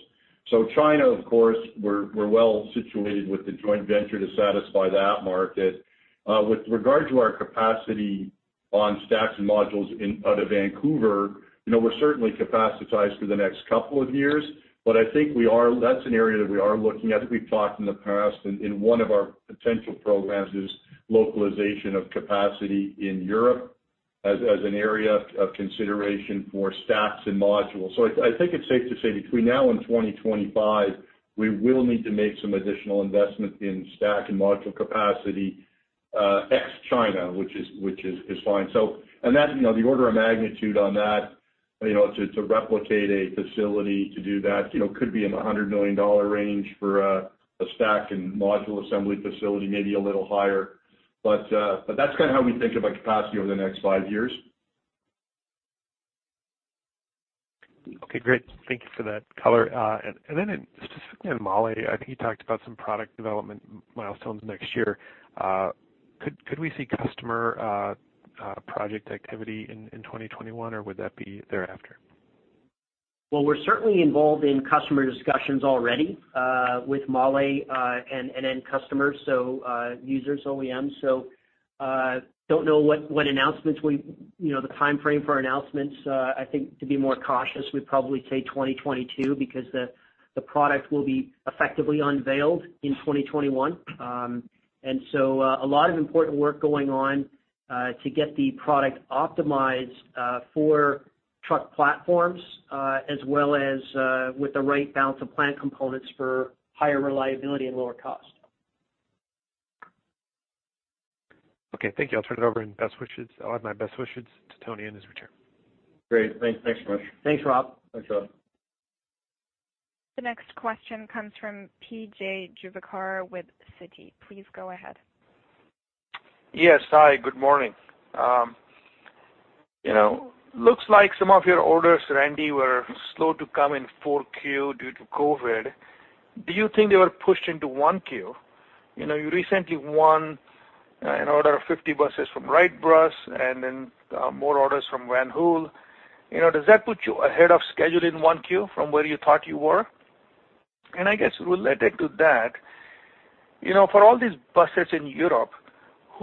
China, of course, we're well situated with the joint venture to satisfy that market. With regard to our capacity on stacks and modules in out of Vancouver, you know, we're certainly capacitized for the next couple of years, but I think That's an area that we are looking at, that we've talked in the past, and one of our potential programs is localization of capacity in Europe as an area of consideration for stacks and modules. I think it's safe to say between now and 2025, we will need to make some additional investment in stack and module capacity, ex-China, which is fine. And that, you know, the order of magnitude on that, you know, to replicate a facility to do that, you know, could be in the 100 million dollar range for a stack and module assembly facility, maybe a little higher. But that's kind of how we think about capacity over the next 5 years.
Okay, great. Thank you for that color. Specifically in MAHLE, I think you talked about some product development milestones next year. Could we see customer project activity in 2021, or would that be thereafter?
Well, we're certainly involved in customer discussions already with MAHLE and end customers, users, OEMs. Don't know what announcements we. You know, the timeframe for our announcements, I think to be more cautious, we'd probably say 2022, because the product will be effectively unveiled in 2021. A lot of important work going on to get the product optimized for truck platforms, as well as with the right balance of plant components for higher reliability and lower cost.
Okay, thank you. I'll turn it over and best wishes. I'll add my best wishes to Tony and his return.
Great. Thanks. Thanks so much.
Thanks, Rob.
Thanks, Rob.
The next question comes from P.J. Juvekar with Citi. Please go ahead.
Yes, hi, good morning. you know, looks like some of your orders, Randy, were slow to come in 4Q due to COVID. Do you think they were pushed into 1Q? You know, you recently won, an order of 50 buses from Wrightbus and then, more orders from Van Hool. You know, does that put you ahead of schedule in 1Q from where you thought you were? I guess related to that, you know, for all these buses in Europe,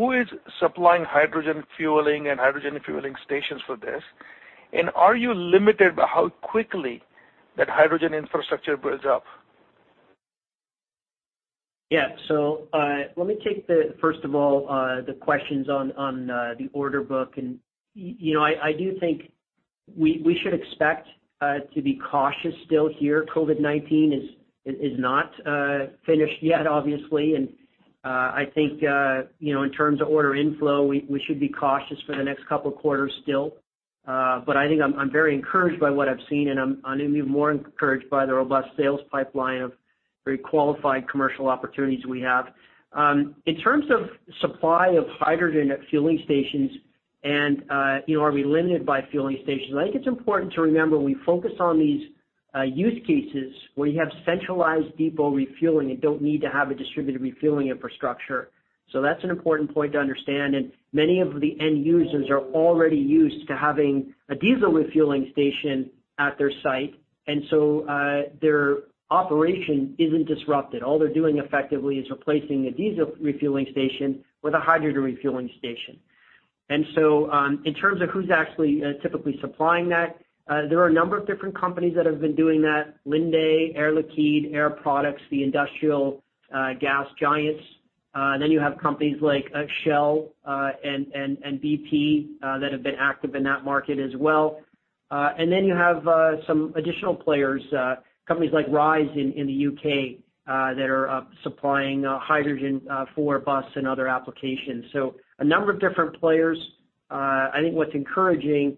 who is supplying hydrogen fueling and hydrogen fueling stations for this? Are you limited by how quickly that hydrogen infrastructure builds up?
Let me take the, first of all, the questions on the order book. You know, I do think we should expect to be cautious still here. COVID-19 is not finished yet, obviously. I think, you know, in terms of order inflow, we should be cautious for the next couple of quarters still. I think I'm very encouraged by what I've seen, and I'm even more encouraged by the robust sales pipeline of very qualified commercial opportunities we have. In terms of supply of hydrogen at fueling stations and, you know, are we limited by fueling stations? I think it's important to remember, we focus on these use cases where you have centralized depot refueling and don't need to have a distributed refueling infrastructure. That's an important point to understand, and many of the end users are already used to having a diesel refueling station at their site, and so, their operation isn't disrupted. All they're doing effectively is replacing a diesel refueling station with a hydrogen refueling station. In terms of who's actually typically supplying that, there are a number of different companies that have been doing that: Linde, Air Liquide, Air Products, the industrial gas giants. You have companies like Shell and BP that have been active in that market as well. You have some additional players, companies like Ryze in the U.K., that are supplying hydrogen for bus and other applications. A number of different players. I think what's encouraging,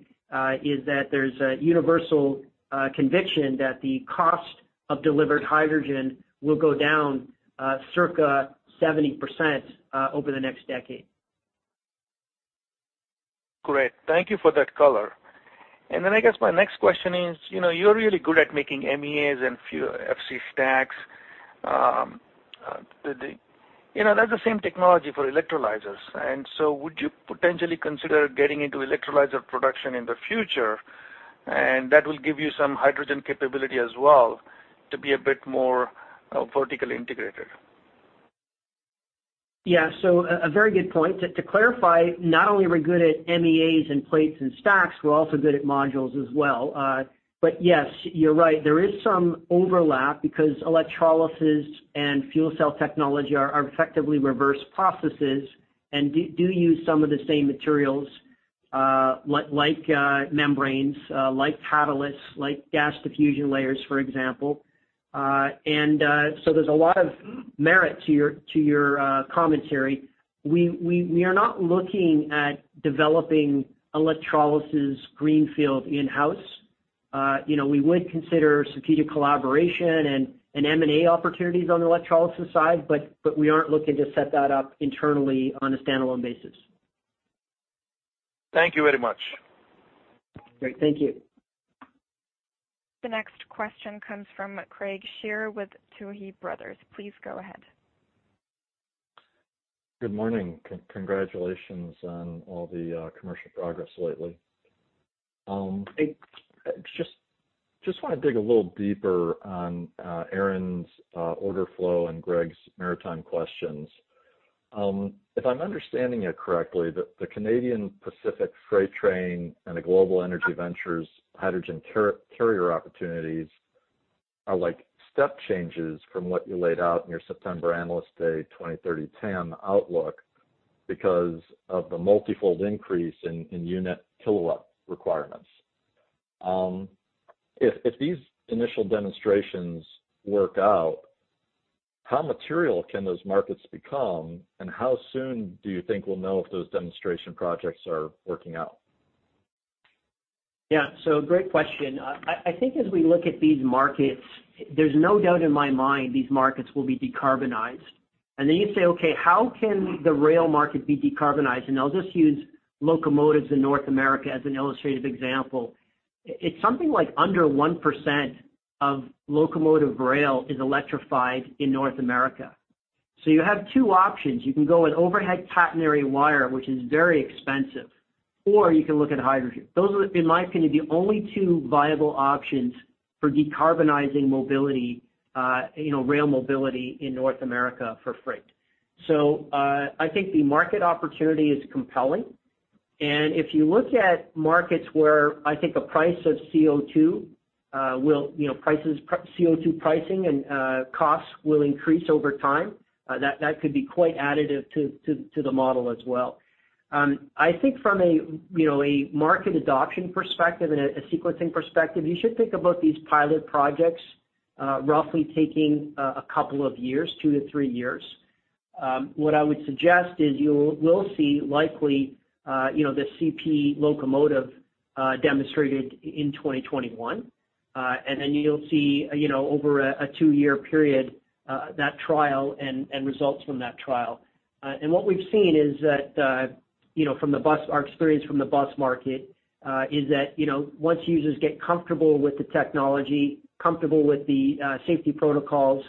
is that there's a universal conviction that the cost of delivered hydrogen will go down, circa 70%, over the next decade.
Great. Thank you for that color. I guess my next question is, you know, you're really good at making MEAs and fuel FC stacks. The, you know, that's the same technology for electrolyzers. Would you potentially consider getting into electrolyzer production in the future, and that will give you some hydrogen capability as well to be a bit more vertically integrated?
A very good point. To clarify, not only are we good at MEAs and plates and stacks, we're also good at modules as well. Yes, you're right, there is some overlap because electrolysis and fuel cell technology are effectively reverse processes and do use some of the same materials, like membranes, like catalysts, like gas diffusion layers, for example. There's a lot of merit to your commentary. We are not looking at developing electrolysis greenfield in-house. you know, we would consider strategic collaboration and M&A opportunities on the electrolysis side, but we aren't looking to set that up internally on a standalone basis.
Thank you very much.
Great. Thank you.
The next question comes from Craig Irwin with Tuohy Brothers. Please go ahead.
Good morning. Congratulations on all the commercial progress lately. I just wanna dig a little deeper on Aaron's order flow and Greg's maritime questions. If I'm understanding it correctly, the Canadian Pacific freight train and the Global Energy Ventures hydrogen carrier opportunities are like step changes from what you laid out in your September Analyst Day 2030 TAM outlook because of the multifold increase in unit kilowatt requirements. If these initial demonstrations work out, how material can those markets become, and how soon do you think we'll know if those demonstration projects are working out?
Great question. I think as we look at these markets, there's no doubt in my mind these markets will be decarbonized. Then you say, okay, how can the rail market be decarbonized? I'll just use locomotives in North America as an illustrative example. It's something like under 1% of locomotive rail is electrified in North America. You have two options. You can go with overhead catenary wire, which is very expensive, or you can look at hydrogen. Those are, in my opinion, the only two viable options for decarbonizing mobility, you know, rail mobility in North America for freight. I think the market opportunity is compelling, and if you look at markets where I think the price of CO2, will, you know, CO2 pricing and costs will increase over time, that could be quite additive to the model as well. I think from a, you know, a market adoption perspective and a sequencing perspective, you should think about these pilot projects, roughly taking a couple of years, two to three years. What I would suggest is you will see likely, you know, the CP locomotive demonstrated in 2021. Then you'll see, you know, over a two-year period, that trial and results from that trial. What we've seen is that, you know, from our experience from the bus market, is that, you know, once users get comfortable with the technology, comfortable with the safety protocols,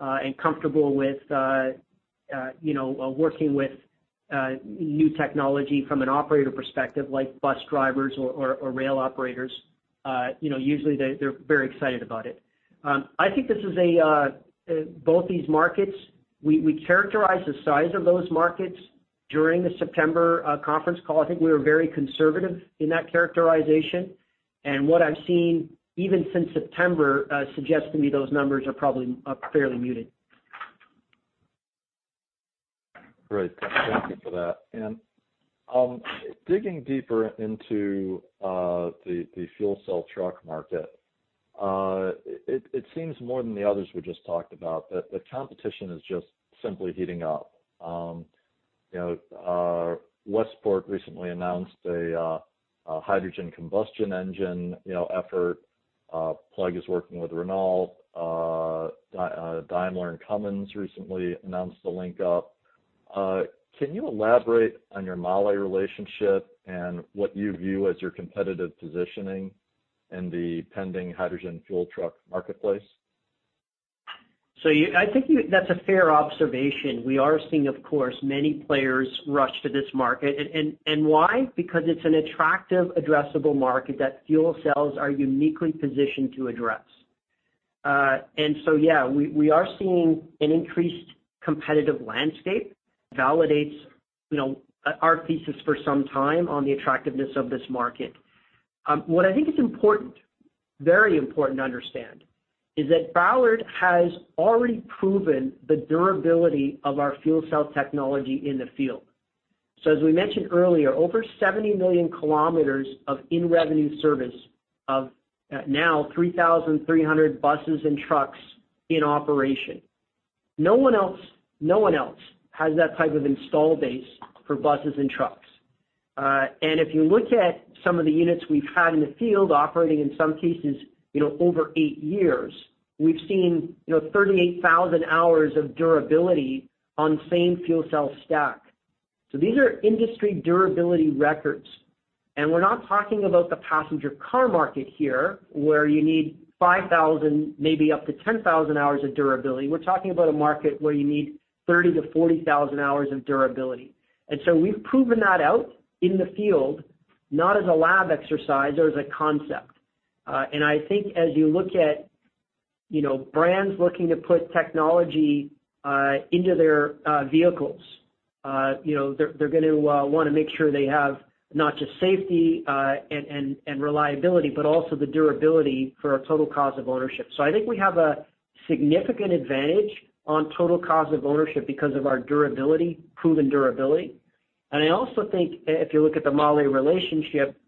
and comfortable with, you know, working with new technology from an operator perspective, like bus drivers or rail operators, you know, usually they're very excited about it. I think this is a both these markets, we characterized the size of those markets during the September conference call. I think we were very conservative in that characterization, and what I've seen, even since September, suggests to me those numbers are probably fairly muted.
Great. Thank you for that. Digging deeper into the fuel cell truck market, it seems more than the others we just talked about, that the competition is just simply heating up. You know, Westport recently announced a hydrogen combustion engine, you know, effort. Plug is working with Renault, Daimler and Cummins recently announced a link-up. Can you elaborate on your MAHLE relationship and what you view as your competitive positioning in the pending hydrogen fuel truck marketplace?
You, I think you, that's a fair observation. We are seeing, of course, many players rush to this market. Why? Because it's an attractive addressable market that fuel cells are uniquely positioned to address. Yeah, we are seeing an increased competitive landscape, validates, you know, our thesis for some time on the attractiveness of this market. What I think is important, very important to understand, is that Ballard has already proven the durability of our fuel cell technology in the field. As we mentioned earlier, over 70 million kilometers of in-revenue service of now 3,300 buses and trucks in operation. No one else has that type of install base for buses and trucks. If you look at some of the units we've had in the field, operating in some cases, you know, over eight years, we've seen, you know, 38,000 hours of durability on same fuel cell stack. These are industry durability records, and we're not talking about the passenger car market here, where you need 5,000, maybe up to 10,000 hours of durability. We're talking about a market where you need 30,000-40,000 hours of durability. We've proven that out in the field, not as a lab exercise or as a concept. k at, you know, brands looking to put technology into their vehicles, you know, they're going to want to make sure they have not just safety and reliability, but also the durability for a total cost of ownership. I think we have a significant advantage on total cost of ownership because of our durability, proven durability. I also think if you look at the MAHLE relationship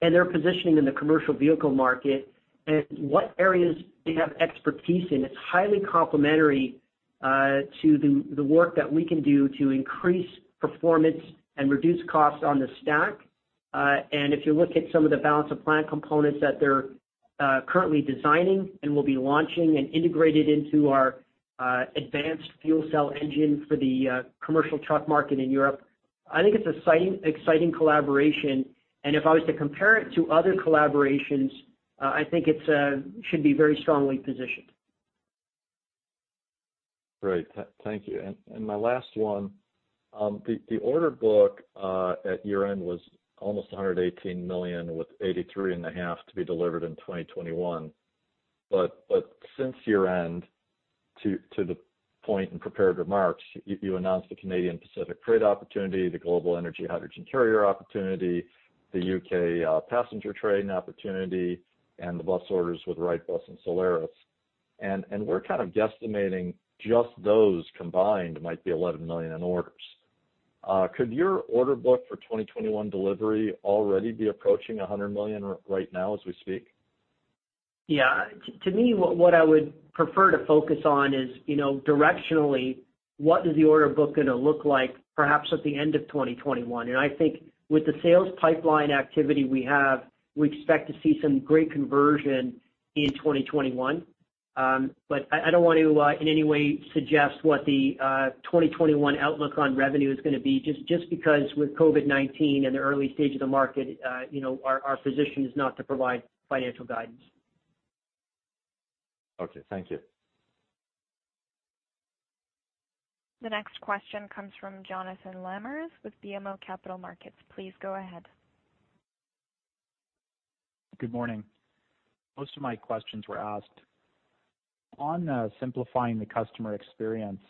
and their positioning in the commercial vehicle market and what areas they have expertise in, it's highly complementary to the work that we can do to increase performance and reduce costs on the stack If you look at some of the balance of plant components that they're currently designing and will be launching and integrated into our advanced fuel cell engine for the commercial truck market in Europe, I think it's exciting collaboration. If I was to compare it to other collaborations, I think it should be very strongly positioned.
Great. Thank you. My last one, the order book at year-end was almost 118 million, with eighty-three and a half million to be delivered in 2021. Since year-end, to the point in prepared remarks, you announced the Canadian Pacific trade opportunity, the global energy hydrogen carrier opportunity, the U.K. passenger train opportunity, and the bus orders with Wrightbus and Solaris. We're kind of guesstimating just those combined might be 11 million in orders. Could your order book for 2021 delivery already be approaching 100 million right now as we speak?
Yeah. To me, what I would prefer to focus on is, you know, directionally, what is the order book going to look like perhaps at the end of 2021? I think with the sales pipeline activity we have, we expect to see some great conversion in 2021. I don't want to in any way suggest what the 2021 outlook on revenue is going to be, just because with COVID-19 and the early stage of the market, you know, our position is not to provide financial guidance.
Okay, thank you.
The next question comes from Jonathan Lamers with BMO Capital Markets. Please go ahead.
Good morning. Most of my questions were asked. On simplifying the customer experience,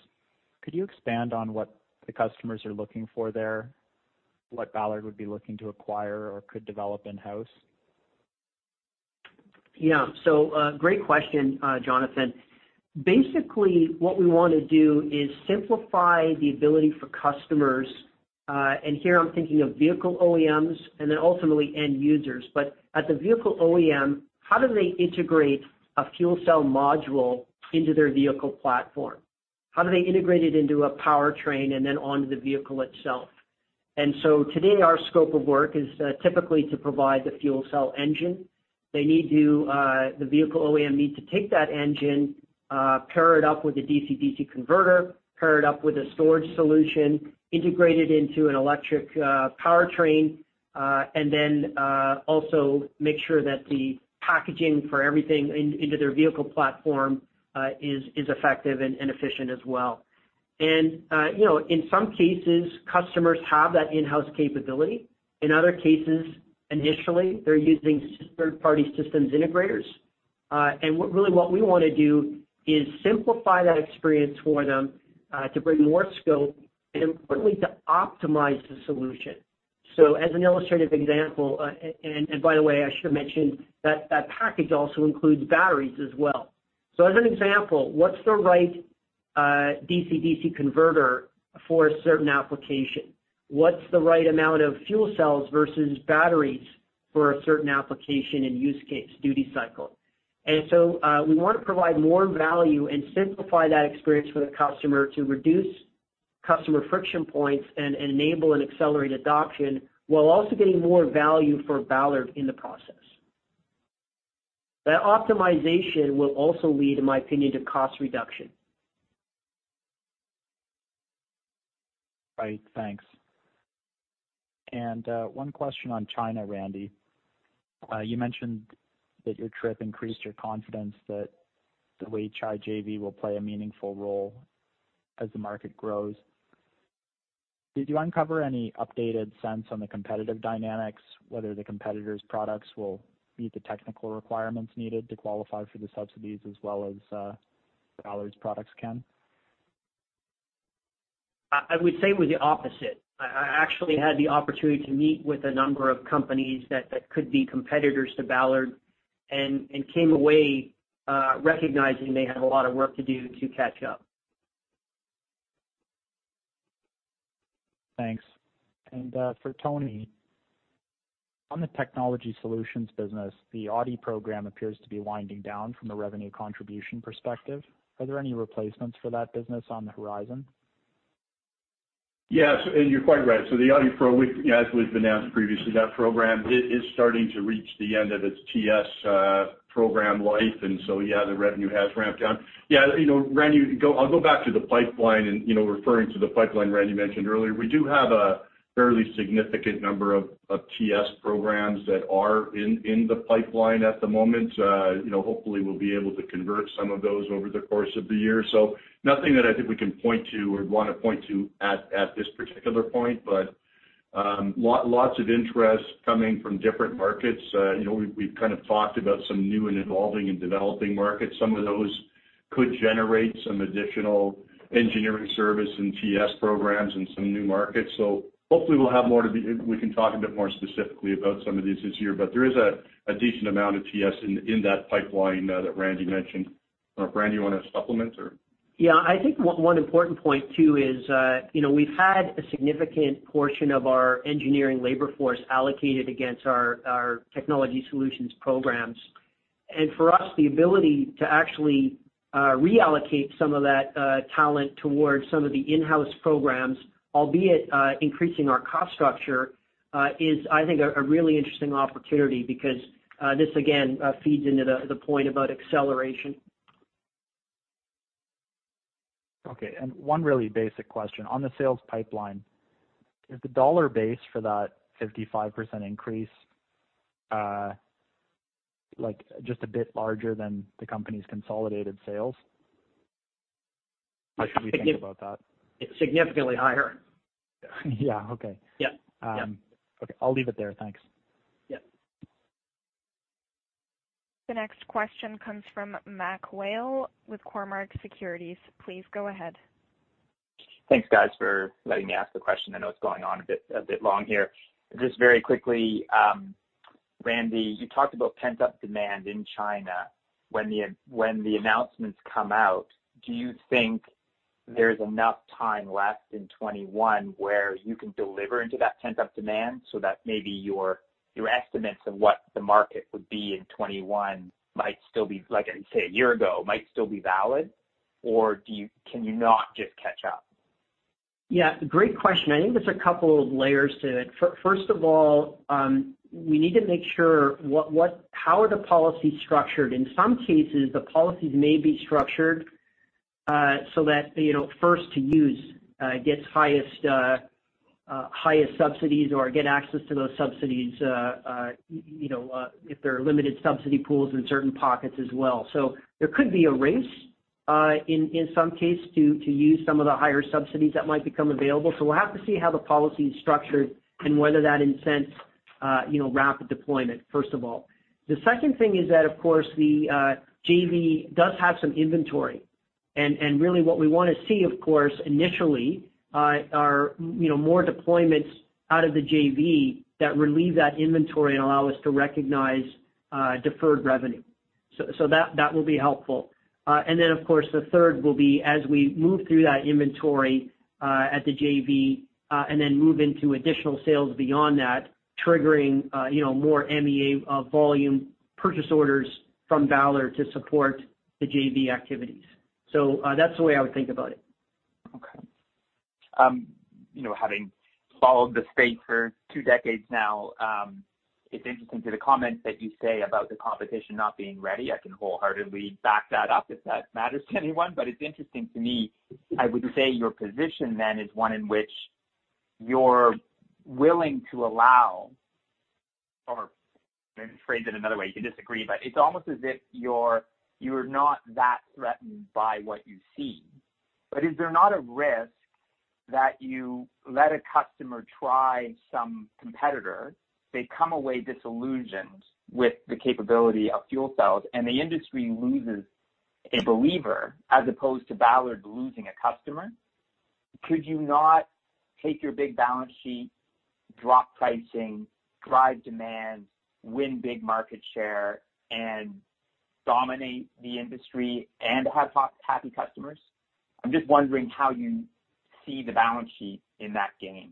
could you expand on what the customers are looking for there? What Ballard would be looking to acquire or could develop in-house?
Yeah. Great question, Jonathan. Basically, what we want to do is simplify the ability for customers, and here I'm thinking of vehicle OEMs and then ultimately end users. At the vehicle OEM, how do they integrate a fuel cell module into their vehicle platform? How do they integrate it into a powertrain and then onto the vehicle itself? Today, our scope of work is typically to provide the fuel cell engine. The vehicle OEM need to take that engine, pair it up with a DC-to-DC converter, pair it up with a storage solution, integrate it into an electric powertrain, and then also make sure that the packaging for everything into their vehicle platform is effective and efficient as well. You know, in some cases, customers have that in-house capability. In other cases, initially, they're using third-party systems integrators. Really what we want to do is simplify that experience for them to bring more scope and importantly, to optimize the solution. As an illustrative example, and by the way, I should have mentioned that that package also includes batteries as well. As an example, what's the right DC-to-DC converter for a certain application? What's the right amount of fuel cells versus batteries for a certain application and use case duty cycle? We want to provide more value and simplify that experience for the customer to reduce customer friction points and enable and accelerate adoption, while also getting more value for Ballard in the process. That optimization will also lead, in my opinion, to cost reduction.
Right. Thanks. One question on China, Randy. You mentioned that your trip increased your confidence that the Weichai JV will play a meaningful role as the market grows. Did you uncover any updated sense on the competitive dynamics, whether the competitors products will meet the technical requirements needed to qualify for the subsidies as well as Ballard's products can?
I would say it was the opposite. I actually had the opportunity to meet with a number of companies that could be competitors to Ballard and came away, recognizing they had a lot of work to do to catch up.
Thanks. For Tony? On the technology solutions business, the Audi program appears to be winding down from a revenue contribution perspective. Are there any replacements for that business on the horizon?
Yes, you're quite right. The Audi pro, as we've announced previously, that program is starting to reach the end of its TS program life. Yeah, the revenue has ramped down. Yeah, you know, Randy, I'll go back to the pipeline and, you know, referring to the pipeline Randy mentioned earlier, we do have a fairly significant number of TS programs that are in the pipeline at the moment. You know, hopefully, we'll be able to convert some of those over the course of the year. Nothing that I think we can point to or want to point to at this particular point, but lots of interest coming from different markets. You know, we've kind of talked about some new and evolving and developing markets. Some of those could generate some additional engineering service and TS programs in some new markets. Hopefully, we'll have more, we can talk a bit more specifically about some of these this year, but there is a decent amount of TS in that pipeline that Randy mentioned. Randy, you want to supplement or?
Yeah, I think one important point, too, is, you know, we've had a significant portion of our engineering labor force allocated against our technology solutions programs. For us, the ability to actually reallocate some of that talent towards some of the in-house programs, albeit increasing our cost structure, is, I think, a really interesting opportunity because this again feeds into the point about acceleration.
Okay, one really basic question. On the sales pipeline, is the dollar base for that 55% increase, like, just a bit larger than the company's consolidated sales? How should we think about that?
Significantly higher.
Yeah. Okay.
Yeah. Yeah.
Okay. I'll leave it there. Thanks.
Yeah.
The next question comes from MacMurray Whale with Cormark Securities. Please go ahead.
Thanks, guys, for letting me ask the question. I know it's going on a bit long here. Just very quickly, Randy, you talked about pent-up demand in China. When the announcements come out, do you think there's enough time left in 21 where you can deliver into that pent-up demand so that maybe your estimates of what the market would be in 21 might still be, like I say, a year ago, might still be valid? Or can you not just catch up?
Great question. I think there's a couple of layers to it. First of all, we need to make sure how are the policies structured? In some cases, the policies may be structured so that, you know, first to use gets highest subsidies or get access to those subsidies, you know, if there are limited subsidy pools in certain pockets as well. There could be a race in some cases to use some of the higher subsidies that might become available. We'll have to see how the policy is structured and whether that incents, you know, rapid deployment, first of all. The second thing is that, of course, the JV does have some inventory. Really, what we want to see, of course, initially, are, you know, more deployments out of the JV that relieve that inventory and allow us to recognize, deferred revenue. That will be helpful. Then, of course, the third will be as we move through that inventory, at the JV, and then move into additional sales beyond that, triggering, you know, more MEA, volume purchase orders from Ballard to support the JV activities. That's the way I would think about it.
Okay. You know, having followed the space for two decades now, it's interesting to the comments that you say about the competition not being ready. I can wholeheartedly back that up if that matters to anyone. It's interesting to me. I would say your position then is one in which you're willing to allow, or let me phrase it another way, you can disagree, but it's almost as if you're not that threatened by what you see. Is there not a risk that you let a customer try some competitor, they come away disillusioned with the capability of fuel cells, and the industry loses a believer, as opposed to Ballard losing a customer? Could you not take your big balance sheet, drop pricing, drive demand, win big market share, and dominate the industry and have happy customers? I'm just wondering how you see the balance sheet in that game.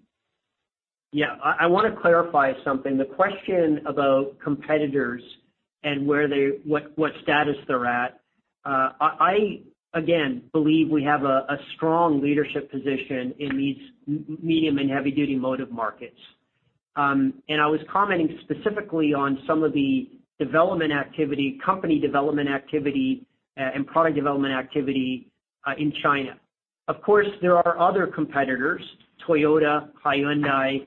I want to clarify something. The question about competitors and where what status they're at, I again believe we have a strong leadership position in these medium- and heavy-duty motive markets. I was commenting specifically on some of the development activity, company development activity, and product development activity in China. Of course, there are other competitors, Toyota, Hyundai,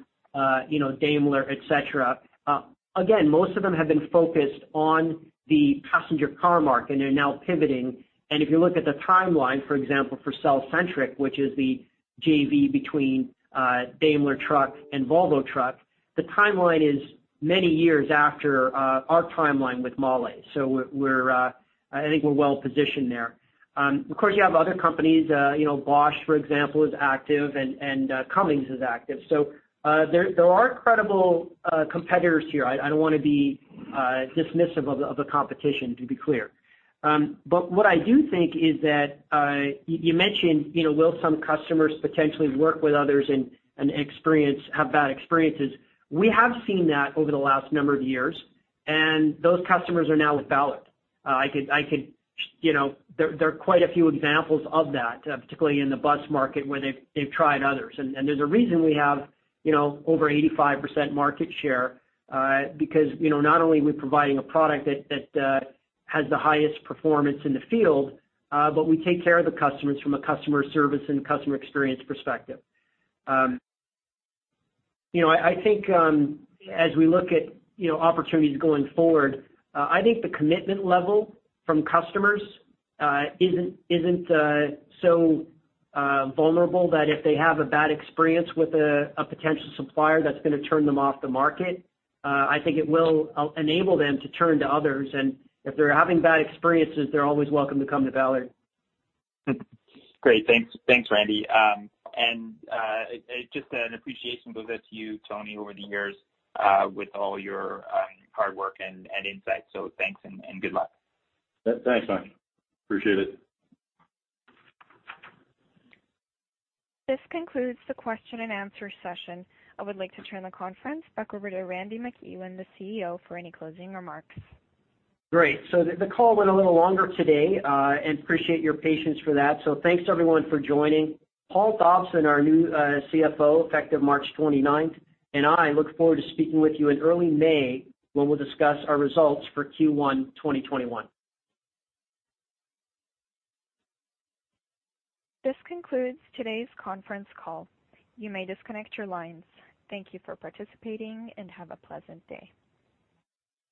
you know, Daimler, et cetera. Again, most of them have been focused on the passenger car market, they're now pivoting. If you look at the timeline, for example, for cellcentric, which is the JV between Daimler Truck and Volvo Truck, the timeline is many years after our timeline with MAHLE. We're, I think we're well positioned there. Of course, you have other companies, you know, Bosch, for example, is active, and Cummins is active. There are credible competitors here. I don't wanna be dismissive of the competition, to be clear. What I do think is that, you mentioned, you know, will some customers potentially work with others and have bad experiences? We have seen that over the last number of years, and those customers are now with Ballard. I could, you know, there are quite a few examples of that, particularly in the bus market, where they've tried others. There's a reason we have, you know, over 85% market share, because, you know, not only are we providing a product that has the highest performance in the field, but we take care of the customers from a customer service and customer experience perspective. You know, I think, as we look at, you know, opportunities going forward, I think the commitment level from customers isn't so vulnerable that if they have a bad experience with a potential supplier, that's gonna turn them off the market. I think it will enable them to turn to others, and if they're having bad experiences, they're always welcome to come to Ballard.
Great. Thanks. Thanks, Randy. Just an appreciation goes out to you, Tony, over the years, with all your hard work and insight. Thanks and good luck.
Thanks, Tony. Appreciate it.
This concludes the question and answer session. I would like to turn the conference back over to Randy MacEwen, the CEO, for any closing remarks.
Great. The call went a little longer today and appreciate your patience for that. Thanks everyone for joining. Paul Dobson, our new CFO, effective March 29th, and I look forward to speaking with you in early May, when we'll discuss our results for Q1 2021.
This concludes today's conference call. You may disconnect your lines. Thank you for participating, and have a pleasant day.